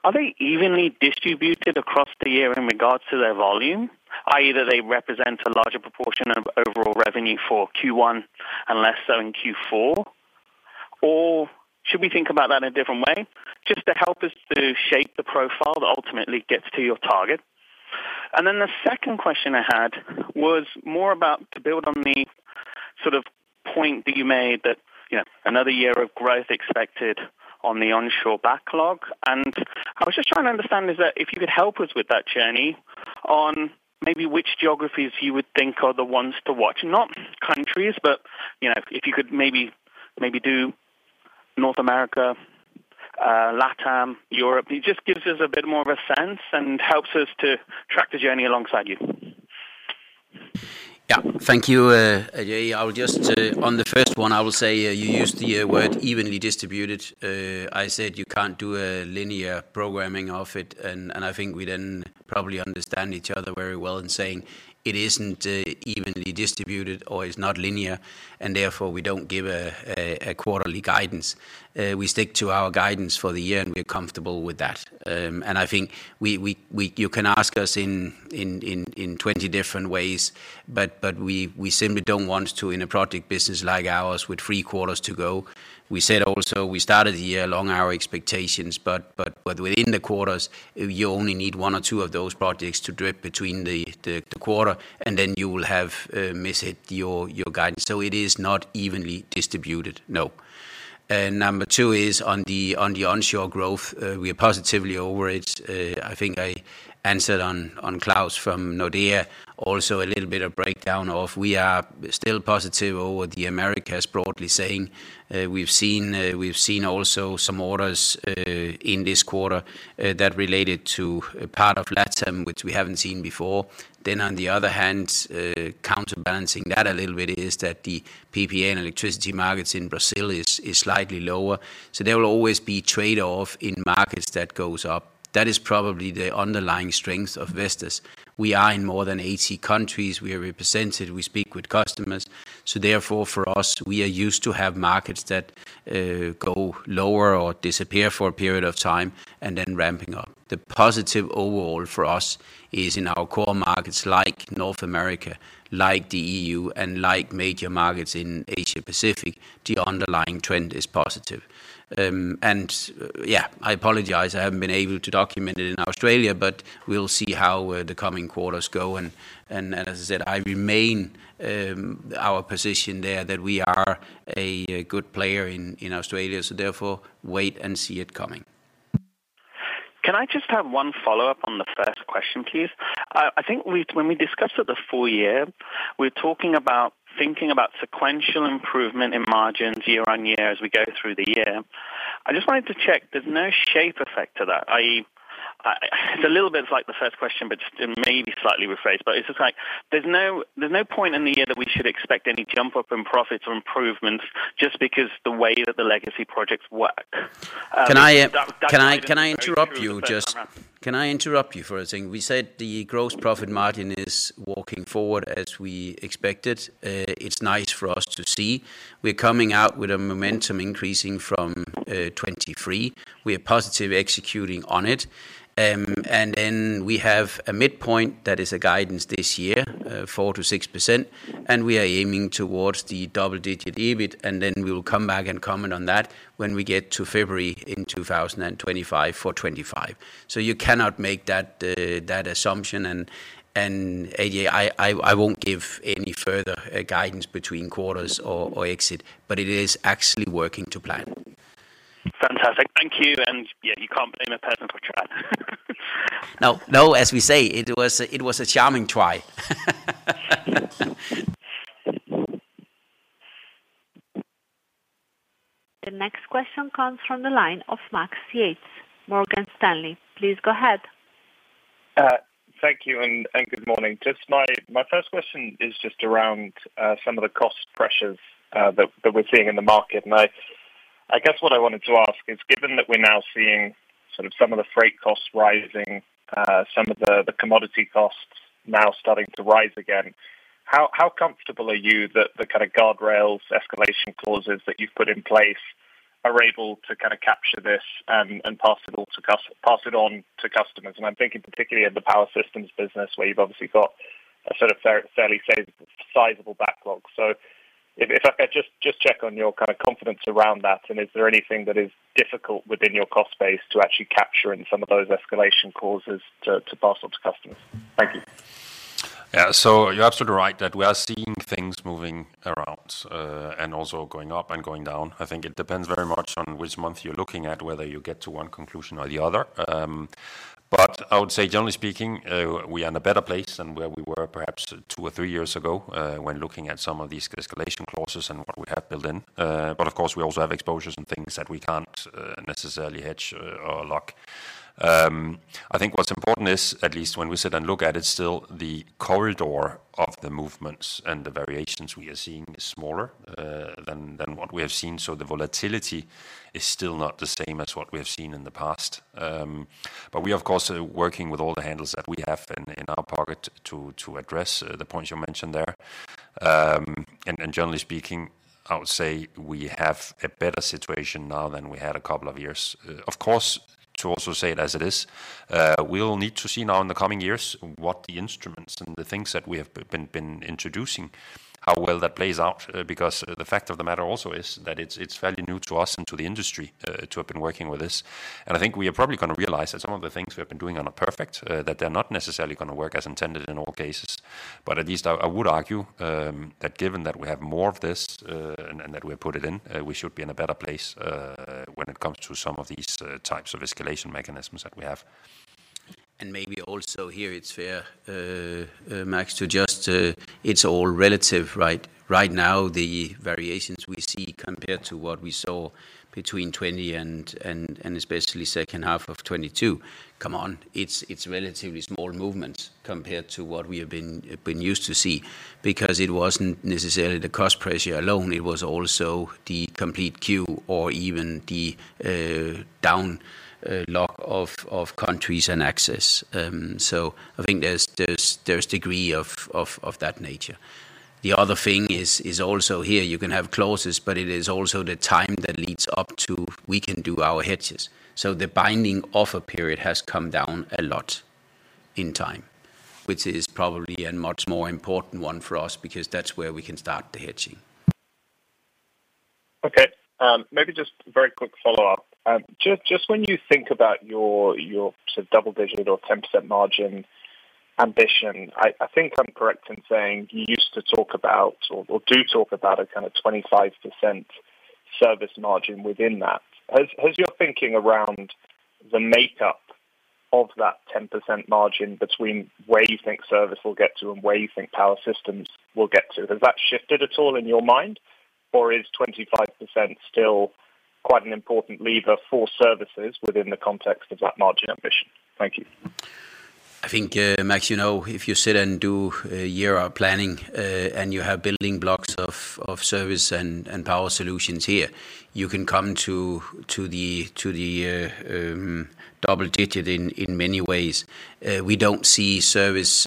are they evenly distributed across the year in regards to their volume, either they represent a larger proportion of overall revenue for Q1 and less so in Q4? Or should we think about that in a different way? Just to help us to shape the profile that ultimately gets to your target. And then the second question I had was more about to build on the sort of point that you made that, you know, another year of growth expected on the onshore backlog. And I was just trying to understand is that, if you could help us with that journey, on maybe which geographies you would think are the ones to watch. Not countries, but, you know, if you could maybe, maybe do North America, LATAM, Europe. It just gives us a bit more of a sense and helps us to track the journey alongside you. Yeah. Thank you, Ajay. I will just, on the first one, I will say, you used the word evenly distributed. I said you can't do a linear programming of it, and I think we then probably understand each other very well in saying it isn't evenly distributed or is not linear, and therefore, we don't give a quarterly guidance. We stick to our guidance for the year, and we're comfortable with that. And I think we—you can ask us in 20 different ways, but we simply don't want to, in a project business like ours, with Q3 to go. We said also we started the year along our expectations, but within the quarters, you only need one or two of those projects to slip between the quarter, and then you will have missed your guidance. So it is not evenly distributed, no. Number two is on the onshore growth; we are positive over it. I think I answered on Claus from Nordea. Also, a little bit of breakdown of we are still positive over the Americas, broadly saying, we've seen also some orders in this quarter that related to a part of LATAM, which we haven't seen before. Then on the other hand, counterbalancing that a little bit is that the PPA and electricity markets in Brazil is slightly lower, so there will always be trade-off in markets that goes up. That is probably the underlying strength of Vestas. We are in more than 80 countries. We are represented, we speak with customers, so therefore, for us, we are used to have markets that go lower or disappear for a period of time and then ramping up. The positive overall for us is in our core markets, like North America, like the EU, and like major markets in Asia Pacific, the underlying trend is positive. And yeah, I apologize, I haven't been able to document it in Australia, but we'll see how the coming quarters go. As I said, I remain our position there, that we are a good player in Australia, so therefore, wait and see it coming. Can I just have one follow-up on the first question, please? I think when we discussed at the full year, we're talking about thinking about sequential improvement in margins year on year as we go through the year. I just wanted to check, there's no shape effect to that, i.e., it's a little bit like the first question, but just maybe slightly rephrased. But it's just like there's no, there's no point in the year that we should expect any jump up in profits or improvements just because the way that the legacy projects work. That, Can I interrupt you? Just, can I interrupt you for a thing? We said the gross profit margin is walking forward as we expected. It's nice for us to see. We're coming out with a momentum increasing from 2023. We are positively executing on it. And then we have a midpoint that is a guidance this year, 4%-6%, and we are aiming towards the double-digit EBIT, and then we will come back and comment on that when we get to February in 2025 for 2025. So you cannot make that assumption, and, again, I won't give any further guidance between quarters or exit, but it is actually working to plan. Fantastic. Thank you, and yeah, you can't blame a person for trying. No, no, as we say, it was a, it was a charming try. The next question comes from the line of Max Yates, Morgan Stanley. Please go ahead. Thank you, and good morning. Just my first question is just around some of the cost pressures that we're seeing in the market. I guess what I wanted to ask is, given that we're now seeing sort of some of the freight costs rising, some of the commodity costs now starting to rise again, how comfortable are you that the kind of guardrails escalation clauses that you've put in place are able to kind of capture this and pass it all on to customers? I'm thinking particularly in the power systems business, where you've obviously got a fairly sizable backlog. So if I just check on your kind of confidence around that, and is there anything that is difficult within your cost base to actually capture in some of those escalation clauses to pass on to customers? Thank you. Yeah. So you're absolutely right that we are seeing things moving around, and also going up and going down. I think it depends very much on which month you're looking at, whether you get to one conclusion or the other. But I would say, generally speaking, we are in a better place than where we were perhaps two or three years ago, when looking at some of these escalation clauses and what we have built in. But of course, we also have exposures and things that we can't necessarily hedge or lock. I think what's important is, at least when we sit and look at it, still the corridor of the movements and the variations we are seeing is smaller than what we have seen, so the volatility is still not the same as what we have seen in the past. But we, of course, are working with all the handles that we have in our pocket to address the points you mentioned there. And generally speaking, I would say we have a better situation now than we had a couple of years... Of course, to also say it as it is, we'll need to see now in the coming years what the instruments and the things that we have been introducing, how well that plays out. Because the fact of the matter also is that it's, it's fairly new to us and to the industry, to have been working with this. And I think we are probably gonna realize that some of the things we have been doing are not perfect, that they're not necessarily gonna work as intended in all cases. But at least I, I would argue, that given that we have more of this, and, and that we put it in, we should be in a better place, when it comes to some of these, types of escalation mechanisms that we have. And maybe also here, it's fair, Max, to just, it's all relative, right? Right now, the variations we see compared to what we saw between 2020 and especially second half of 2022, it's relatively small movements compared to what we have been used to see. Because it wasn't necessarily the cost pressure alone, it was also the complete queue or even the lockdown of countries and access. So I think there's degree of that nature. The other thing is also here you can have clauses, but it is also the time that leads up to we can do our hedges. So the binding offer period has come down a lot in time, which is probably a much more important one for us because that's where we can start the hedging. Okay. Maybe just a very quick follow-up. Just when you think about your double-digit or 10% margin ambition, I think I'm correct in saying you used to talk about or do talk about a kind of 25% service margin within that. Has your thinking around the makeup of that 10% margin between where you think service will get to and where you think power systems will get to? Has that shifted at all in your mind, or is 25% still quite an important lever for services within the context of that margin ambition? Thank you. I think, Max, you know, if you sit and do a year of planning, and you have building blocks of Service and Power Solutions here, you can come to double digit in many ways. We don't see Service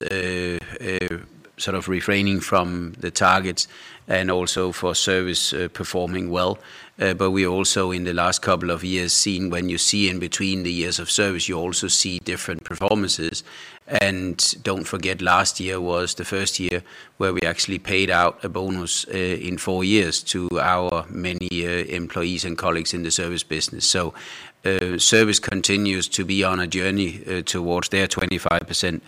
sort of refraining from the targets and also for Service performing well. But we also in the last couple of years seen when you see in between the years of Service, you also see different performances. And don't forget, last year was the first year where we actually paid out a bonus in four years to our many employees and colleagues in the Service business. So, Service continues to be on a journey toward their 25%.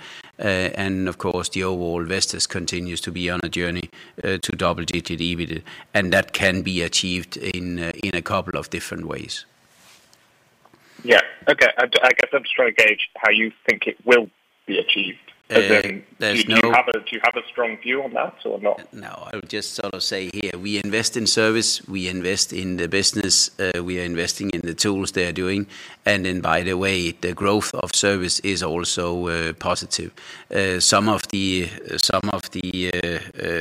Of course, the overall Vestas continues to be on a journey to double-digit EBITDA, and that can be achieved in a couple of different ways. Yeah. Okay, I, I guess I'm just trying to gauge how you think it will be achieved. There's no- Do you have a strong view on that or not? No, I would just sort of say here, we invest in service, we invest in the business, we are investing in the tools they are doing. And then by the way, the growth of service is also positive. Some of the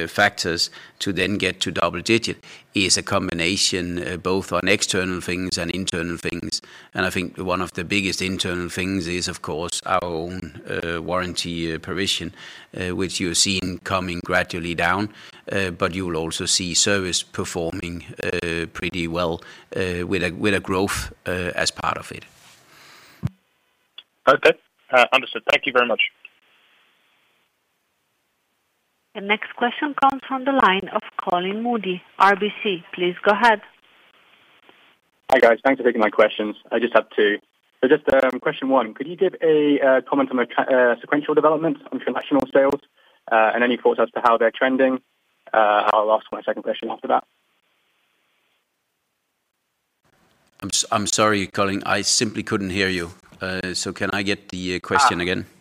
factors to then get to double digit is a combination both on external things and internal things. And I think one of the biggest internal things is, of course, our own warranty provision, which you're seeing coming gradually down. But you will also see service performing pretty well with a growth as part of it. Okay. Understood. Thank you very much. The next question comes from the line of Colin Moody, RBC. Please go ahead. Hi, guys. Thanks for taking my questions. I just have two. So just, question one, could you give a comment on the sequential development on transactional sales, and any thoughts as to how they're trending? I'll ask my second question after that. I'm sorry, Colin, I simply couldn't hear you. Can I get the question again? Ah!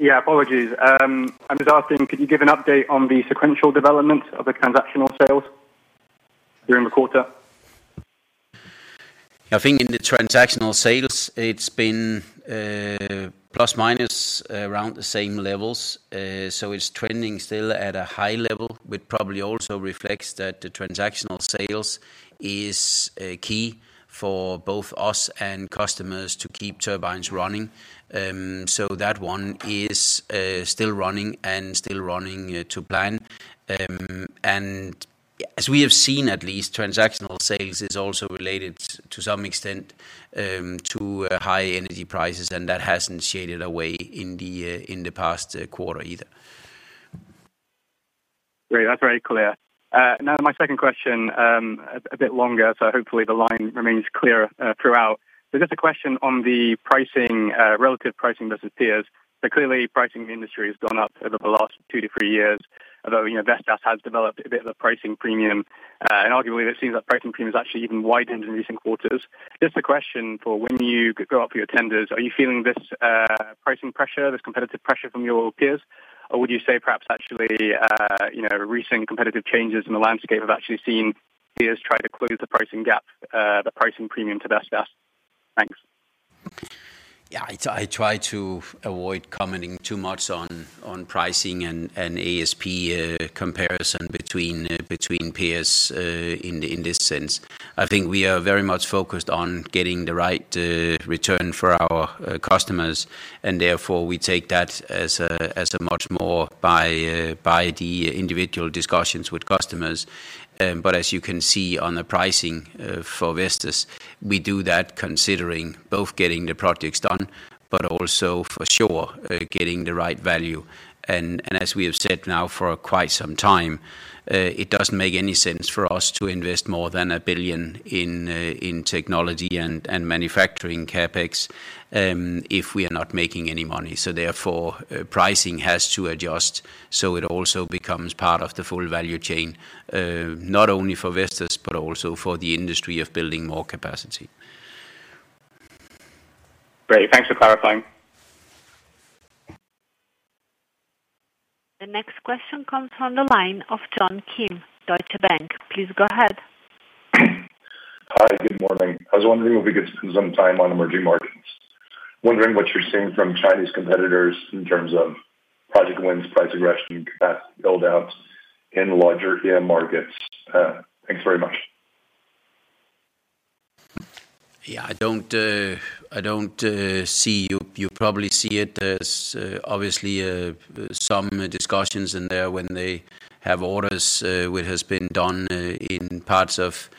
Yeah, apologies. I'm just asking, could you give an update on the sequential development of the transactional sales during the quarter? I think in the transactional sales, it's been plus minus around the same levels. So it's trending still at a high level, which probably also reflects that the transactional sales is key for both us and customers to keep turbines running. So that one is still running and still running to plan. And as we have seen, at least transactional sales is also related to some extent to high energy prices, and that hasn't shaded away in the past quarter either. Great. That's very clear. Now, my second question, a bit longer, so hopefully the line remains clear throughout. So just a question on the pricing, relative pricing versus peers. So clearly, pricing in the industry has gone up over the last 2-3 years, although, you know, Vestas has developed a bit of a pricing premium. And arguably, it seems like pricing premium is actually even widened in recent quarters. Just a question for when you go out for your tenders, are you feeling this pricing pressure, this competitive pressure from your peers? Or would you say perhaps actually, recent competitive changes in the landscape have actually seen peers try to close the pricing gap, the pricing premium to Vestas? Thanks. Yeah, I try, I try to avoid commenting too much on pricing and ASP between peers in this sense. I think we are very much focused on getting the right return for our customers, and therefore, we take that as a much more by the individual discussions with customers. But as you can see on the pricing for Vestas, we do that considering both getting the projects done, but also for sure getting the right value. And as we have said now for quite some time, it doesn't make any sense for us to invest more than 1 billion in technology and manufacturing CapEx if we are not making any money. So therefore, pricing has to adjust, so it also becomes part of the full value chain, not only for Vestas, but also for the industry of building more capacity. Great, thanks for clarifying. The next question comes from the line of Gael de Bray, Deutsche Bank. Please go ahead. Hi, good morning. I was wondering if we could spend some time on emerging markets. Wondering what you're seeing from Chinese competitors in terms of project wins, price aggression, capacity build out in larger EM markets. Thanks very much. Yeah, I don't see... You probably see it as obviously some discussions in there when they have orders, which has been done in parts of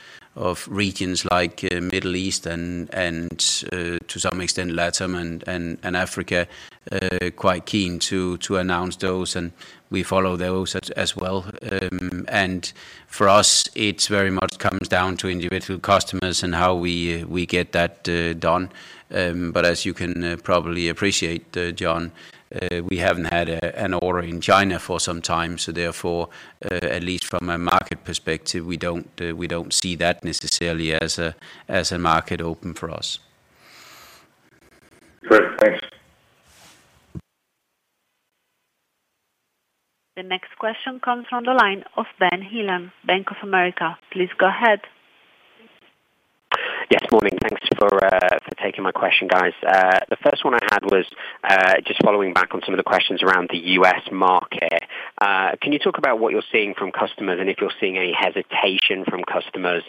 regions like Middle East and, to some extent, LATAM and Africa, quite keen to announce those, and we follow those as well. And for us, it very much comes down to individual customers and how we get that done. But as you can probably appreciate, John, we haven't had an order in China for some time, so therefore, at least from a market perspective, we don't see that necessarily as a market open for us. Great. Thanks. The next question comes from the line of Ben Heelan, Bank of America. Please go ahead. Yes, morning. Thanks for, for taking my question, guys. The first one I had was, just following back on some of the questions around the U.S. market. Can you talk about what you're seeing from customers, and if you're seeing any hesitation from customers,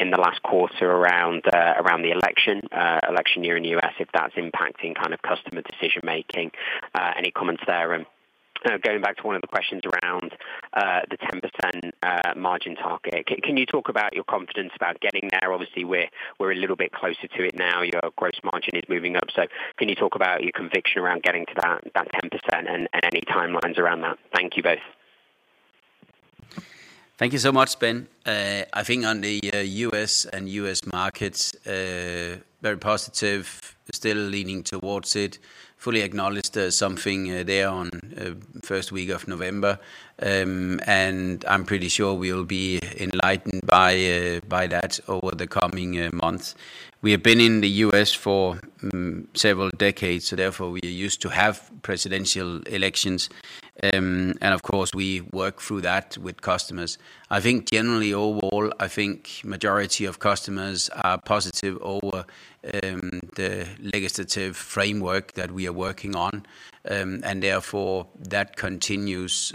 in the last quarter around, around the election, election year in the U.S., if that's impacting kind of customer decision making? Any comments there. And, going back to one of the questions around, the 10% margin target. Can you talk about your confidence about getting there? Obviously, we're, we're a little bit closer to it now. Your gross margin is moving up, so can you talk about your conviction around getting to that, that 10% and, any timelines around that? Thank you both. Thank you so much, Ben. I think on the U.S. and U.S. markets, very positive, still leaning towards it. Fully acknowledged there's something there on first week of November, and I'm pretty sure we'll be enlightened by that over the coming months. We have been in the U.S. for several decades, so therefore, we're used to have presidential elections. And of course, we work through that with customers. I think generally overall, I think majority of customers are positive over the legislative framework that we are working on. And therefore, that continues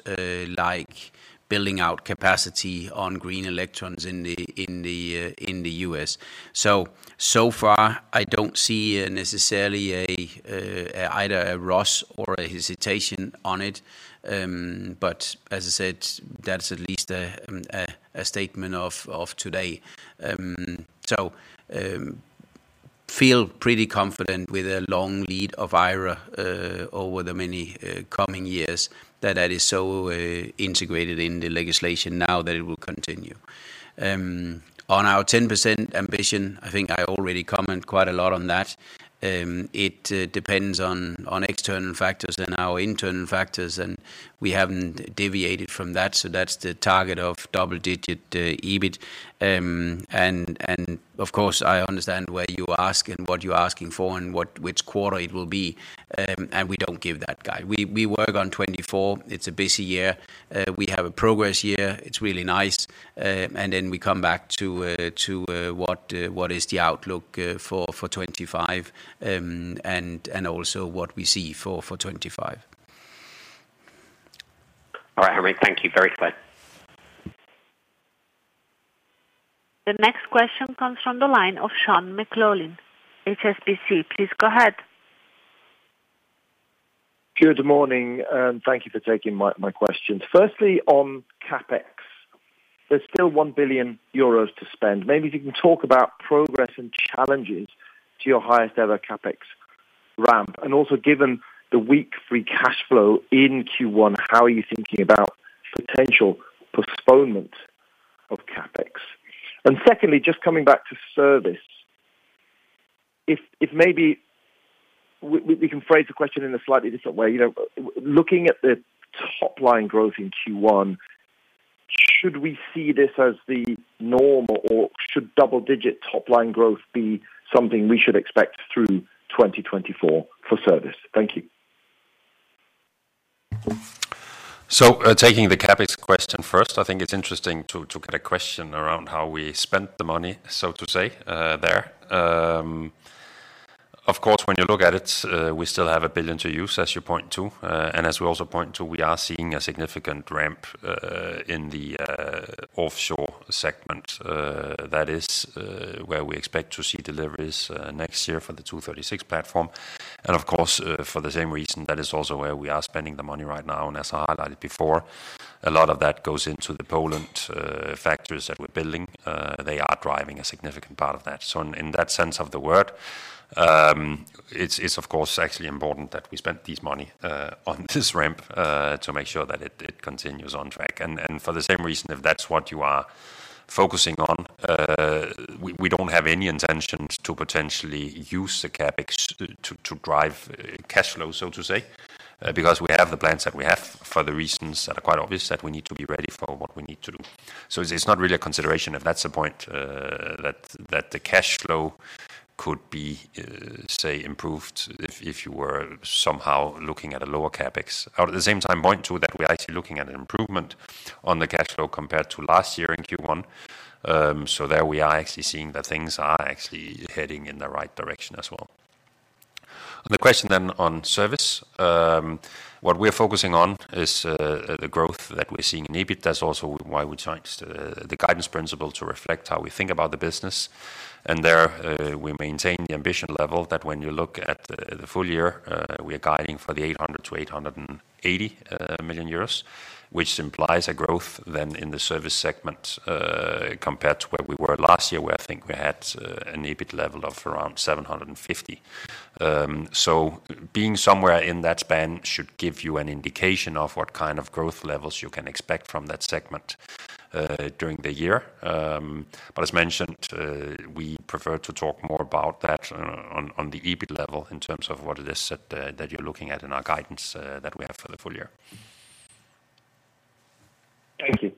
like building out capacity on green electrons in the U.S. So, so far I don't see necessarily either a pause or a hesitation on it. But as I said, that's at least a statement of today. So, feel pretty confident with a long lead of IRA over the many coming years, that that is so integrated in the legislation now that it will continue. On our 10% ambition, I think I already comment quite a lot on that. It depends on external factors and our internal factors, and we haven't deviated from that. So that's the target of double-digit EBIT. And of course, I understand why you ask and what you're asking for and which quarter it will be. And we don't give that guide. We work on 2024. It's a busy year. We have a progress year. It's really nice. And then we come back to what is the outlook for 2025, and also what we see for 2025. All right, Henrik, thank you very much. The next question comes from the line of Sean McLoughlin, HSBC. Please go ahead. Good morning, and thank you for taking my questions. Firstly, on CapEx, there's still 1 billion euros to spend. Maybe if you can talk about progress and challenges to your highest ever CapEx ramp, and also given the weak free cash flow in Q1, how are you thinking about potential postponement of CapEx? And secondly, just coming back to service, if maybe we can phrase the question in a slightly different way. You know, looking at the top-line growth in Q1, should we see this as the norm, or should double-digit top line growth be something we should expect through 2024 for service? Thank you. So, taking the CapEx question first, I think it's interesting to get a question around how we spent the money, so to say, there. Of course, when you look at it, we still have 1 billion to use, as you point to. And as we also point to, we are seeing a significant ramp in the offshore segment. That is where we expect to see deliveries next year for the 236 platform. And of course, for the same reason, that is also where we are spending the money right now. And as I highlighted before, a lot of that goes into the Poland factories that we're building. They are driving a significant part of that. So in that sense of the word, it's of course actually important that we spent this money on this ramp to make sure that it continues on track. And for the same reason, if that's what you are focusing on, we don't have any intention to potentially use the CapEx to drive cash flow, so to say, because we have the plans that we have for the reasons that are quite obvious, that we need to be ready for what we need to do. So it's not really a consideration, if that's the point, that the cash flow could be say improved, if you were somehow looking at a lower CapEx. At the same time, point to that, we're actually looking at an improvement on the cash flow compared to last year in Q1. So there we are actually seeing that things are actually heading in the right direction as well. On the question then on service, what we're focusing on is the growth that we're seeing in EBIT. That's also why we changed the guidance principle to reflect how we think about the business. And there we maintain the ambition level that when you look at the full year, we are guiding for 800 million-880 million euros, which implies a growth than in the service segment compared to where we were last year, where I think we had an EBIT level of around 750 million. So being somewhere in that span should give you an indication of what kind of growth levels you can expect from that segment during the year. But as mentioned, we prefer to talk more about that on the EBIT level in terms of what it is that you're looking at in our guidance that we have for the full year. Thank you.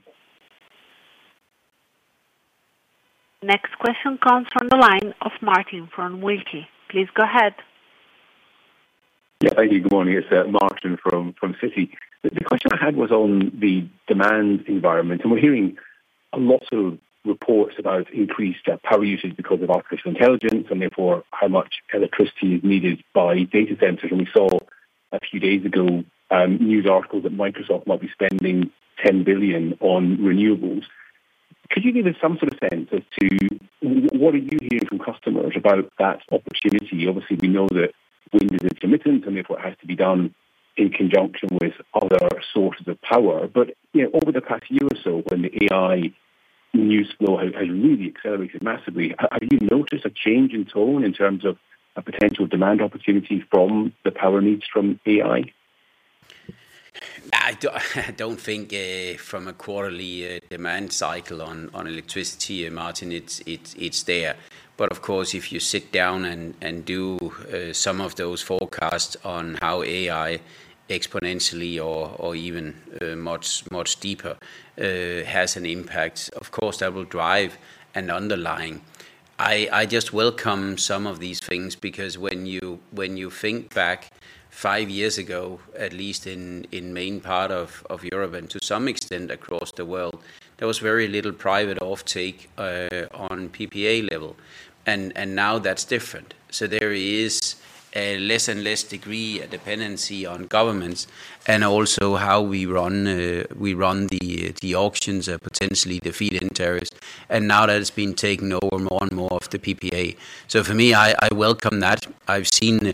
Next question comes from the line of Martin Wilkie. Please go ahead. Yeah, thank you. Good morning, it's Martin from Citi. The question I had was on the demand environment, and we're hearing lots of reports about increased power usage because of artificial intelligence, and therefore, how much electricity is needed by data centers. And we saw a few days ago, news article that Microsoft might be spending $10 billion on renewables. Could you give us some sort of sense as to what are you hearing from customers about that opportunity? Obviously, we know that wind is intermittent and therefore has to be done in conjunction with other sources of power. But, you know, over the past year or so, when AI news flow has really accelerated massively. Have you noticed a change in tone in terms of a potential demand opportunity from the power needs from AI? I do. I don't think from a quarterly demand cycle on electricity, Martin, it's there. But of course, if you sit down and do some of those forecasts on how AI exponentially or even much deeper has an impact, of course, that will drive an underlying. I just welcome some of these things because when you think back five years ago, at least in main part of Europe and to some extent across the world, there was very little private offtake on PPA level, and now that's different. So there is a less and less degree of dependency on governments, and also how we run the auctions or potentially the feed-in tariffs, and now that it's been taken over more and more of the PPA. So for me, I welcome that. I've seen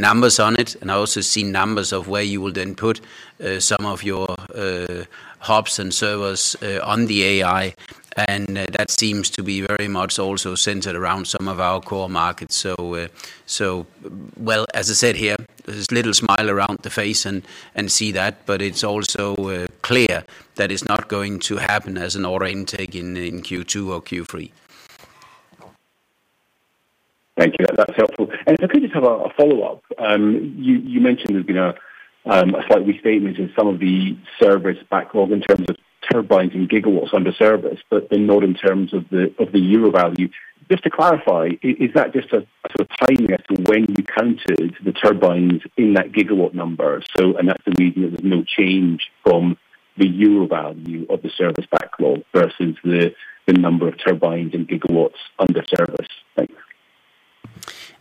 numbers on it, and I also seen numbers of where you will then put some of your hubs and servers on the AI, and that seems to be very much also centered around some of our core markets. So, well, as I said here, there's little smile around the face and see that, but it's also clear that it's not going to happen as an order intake in Q2 or Q3. Thank you. That's helpful. And could I just have a follow-up? You mentioned there's been a slight restatement in some of the service backlog in terms of turbines and gigawatts under service, but then not in terms of the euro value. Just to clarify, is that just a sort of timing as to when you counted the turbines in that gigawatt number? So that's the reason there was no change from the euro value of the service backlog versus the number of turbines and gigawatts under service. Thank you.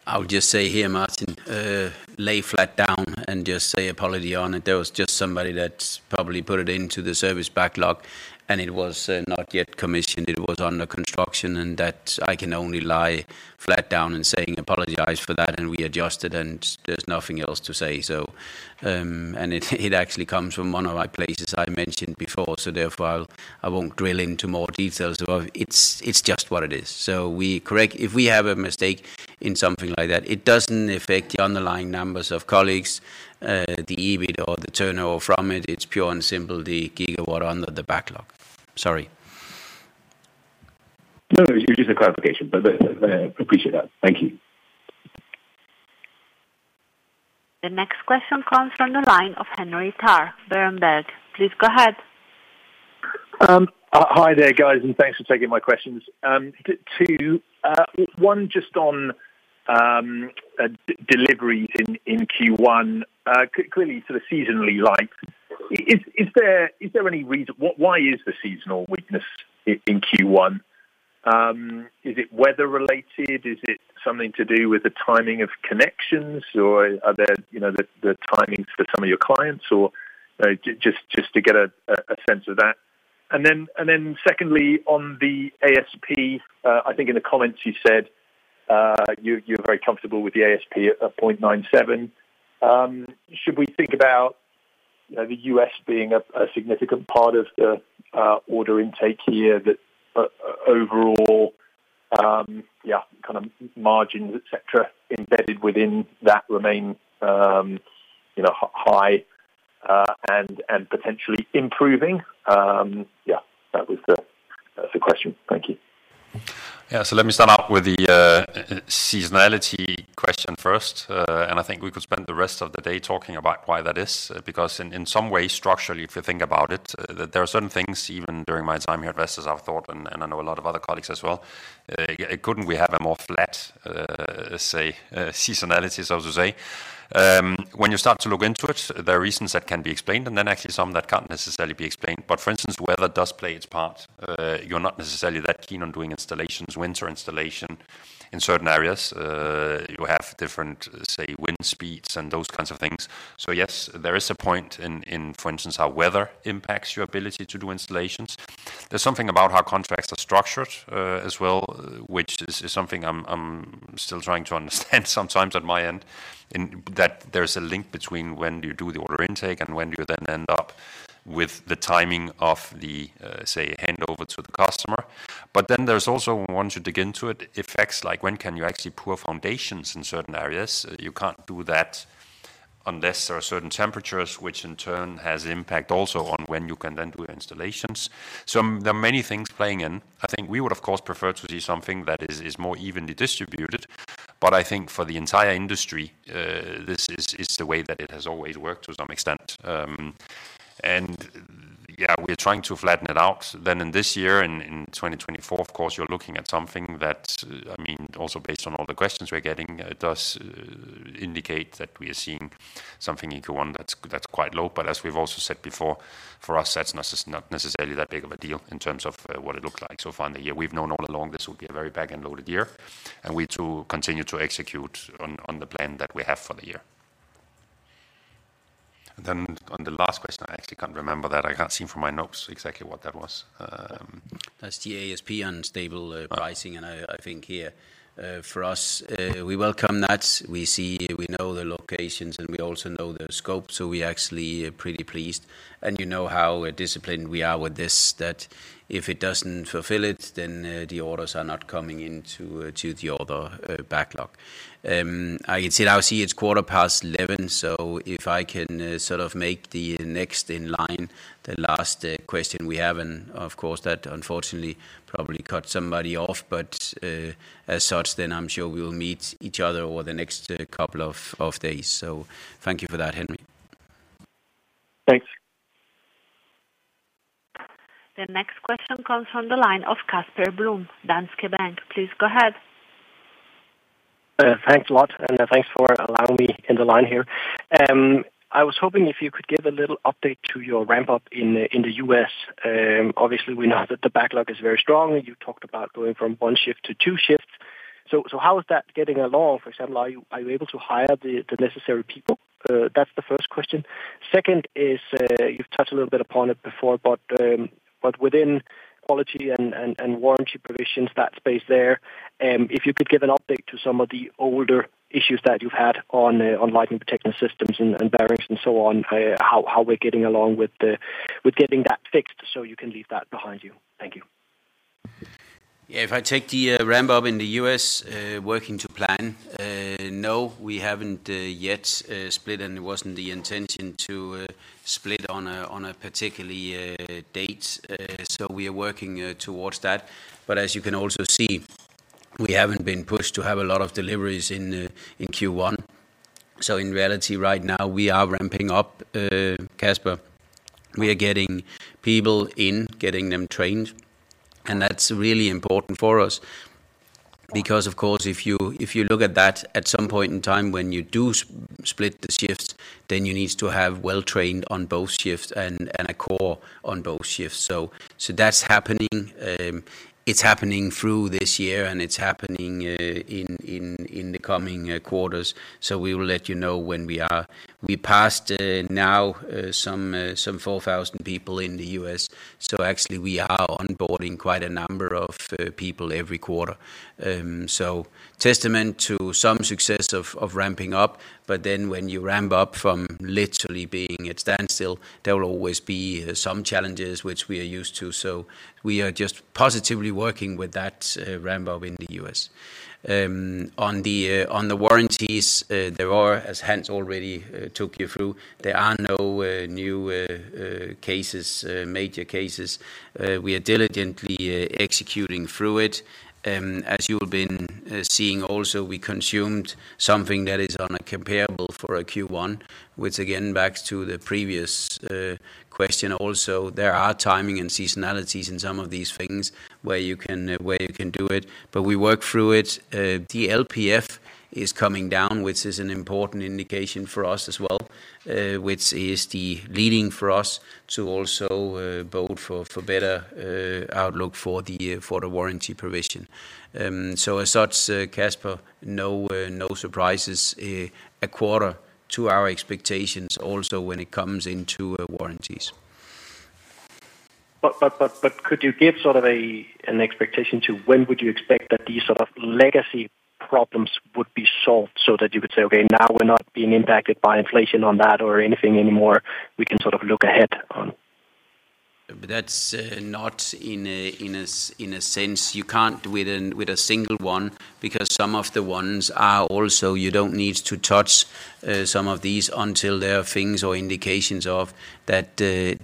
I would just say here, Martin, lay flat down and just say apology on it. There was just somebody that's probably put it into the service backlog, and it was not yet commissioned. It was under construction, and that I can only lie flat down and saying apologize for that, and we adjusted, and there's nothing else to say. So, And it, it actually comes from one of my places I mentioned before, so therefore, I, I won't drill into more details about it. It's, it's just what it is. So we correct-- If we have a mistake in something like that, it doesn't affect the underlying numbers of colleagues, the EBIT or the turnover from it. It's pure and simple, the gigawatt under the backlog. Sorry. No, no, it was just a clarification, but appreciate that. Thank you. The next question comes from the line of Henry Tarr, Berenberg. Please go ahead. Hi there, guys, and thanks for taking my questions. Just on deliveries in Q1. Clearly, sort of, seasonally light. Is there any reason... Why is the seasonal weakness in Q1? Is it weather related? Is it something to do with the timing of connections, or are there, you know, the timings for some of your clients, or just to get a sense of that. And then secondly, on the ASP, I think in the comments you said, you're very comfortable with the ASP at 0.97. Should we think about the US being a significant part of the order intake here, that overall, yeah, kind of, margins, et cetera, embedded within that remain, you know, high, and potentially improving? Yeah, that was the... That's the question. Thank you. Yeah. So let me start off with the seasonality question first, and I think we could spend the rest of the day talking about why that is, because in some ways, structurally, if you think about it, there are certain things, even during my time here at Vestas, I've thought, and I know a lot of other colleagues as well, couldn't we have a more flat, say, seasonality, so to say? When you start to look into it, there are reasons that can be explained, and then actually some that can't necessarily be explained. But for instance, weather does play its part. You're not necessarily that keen on doing installations, winter installation. In certain areas, you have different, say, wind speeds and those kinds of things. So yes, there is a point in, for instance, how weather impacts your ability to do installations. There's something about how contracts are structured, as well, which is something I'm still trying to understand sometimes on my end, in that there's a link between when you do the order intake and when you then end up with the timing of the, say, handover to the customer. But then there's also, once you dig into it, effects like when can you actually pour foundations in certain areas? You can't do that unless there are certain temperatures, which in turn has impact also on when you can then do installations. So there are many things playing in. I think we would, of course, prefer to see something that is more evenly distributed, but I think for the entire industry, this is the way that it has always worked to some extent. And yeah, we're trying to flatten it out. Then in this year, in 2024, of course, you're looking at something that, I mean, also based on all the questions we're getting, does indicate that we are seeing something in Q1 that's quite low. But as we've also said before, for us, that's not necessarily that big of a deal in terms of what it looked like. So far in the year, we've known all along this would be a very back-end loaded year, and we too continue to execute on, on the plan that we have for the year. And then on the last question, I actually can't remember that. I can't see from my notes exactly what that was. That's the ASP unstable pricing. And I think here, for us, we welcome that. We see, we know the locations, and we also know the scope, so we're actually pretty pleased. And you know how disciplined we are with this, that if it doesn't fulfill it, then the orders are not coming into to the order backlog. I can see it's 11:15 A.M., so if I can sort of make the next in line, the last question we have, and of course, that unfortunately probably cut somebody off. But as such, then I'm sure we will meet each other over the next couple of days. So thank you for that, Henry. Thanks. The next question comes from the line of Casper Blom, Danske Bank. Please go ahead. Thanks a lot, and thanks for allowing me in the line here. I was hoping if you could give a little update to your ramp up in, in the U.S. Obviously, we know that the backlog is very strong, and you talked about going from one shift to two shifts. So, how is that getting along? For example, are you able to hire the necessary people? That's the first question. Second is, you've touched a little bit upon it before, but, but within quality and, and warranty provisions, that space there, if you could give an update to some of the older issues that you've had on, on lightning protection systems and, and bearings and so on, how, how we're getting along with the- with getting that fixed so you can leave that behind you. Thank you. Yeah, if I take the ramp up in the US, working to plan, no, we haven't yet split, and it wasn't the intention to split on a particular date. So we are working towards that. But as you can also see, we haven't been pushed to have a lot of deliveries in Q1. So in reality, right now, we are ramping up, Casper. We are getting people in, getting them trained, and that's really important for us because, of course, if you look at that at some point in time when you do split the shifts, then you need to have well-trained on both shifts and a core on both shifts. So that's happening. It's happening through this year, and it's happening in the coming quarters. So we will let you know when we are. We passed now some 4,000 people in the U.S., so actually we are onboarding quite a number of people every quarter. So testament to some success of ramping up, but then when you ramp up from literally being at standstill, there will always be some challenges which we are used to. So we are just positively working with that ramp up in the U.S. On the warranties, there are, as Hans already took you through, there are no new cases, major cases. We are diligently executing through it. As you have been seeing also, we consumed something that is on a comparable for a Q1, which again, backs to the previous question also. There are timing and seasonalities in some of these things where you can, where you can do it, but we work through it. The LPF is coming down, which is an important indication for us as well, which is the leading for us to also build for better outlook for the warranty provision. So as such, Casper, no surprises, a quarter to our expectations also when it comes into warranties. But could you give sort of an expectation to when would you expect that these sort of legacy problems would be solved so that you could say, "Okay, now we're not being impacted by inflation on that or anything anymore, we can sort of look ahead on? That's not, in a sense. You can't with a single one, because some of the ones are also... You don't need to touch some of these until there are things or indications of that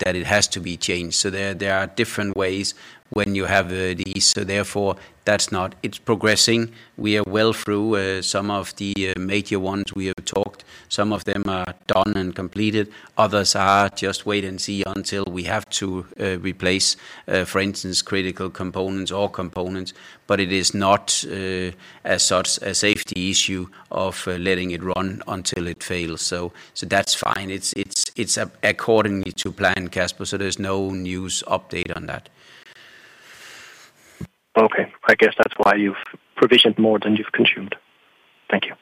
that it has to be changed. So there are different ways when you have these. So therefore, it's progressing. We are well through some of the major ones we have talked. Some of them are done and completed. Others are just wait and see until we have to replace, for instance, critical components or components. But it is not, as such, a safety issue of letting it run until it fails. So that's fine. It's accordingly to plan, Casper, so there's no news update on that. Okay. I guess that's why you've provisioned more than you've consumed. Thank you.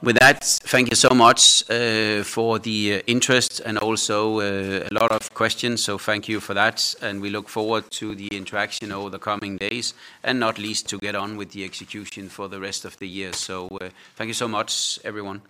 With that, thank you so much for the interest and also a lot of questions. So thank you for that, and we look forward to the interaction over the coming days, and not least, to get on with the execution for the rest of the year. So, thank you so much, everyone.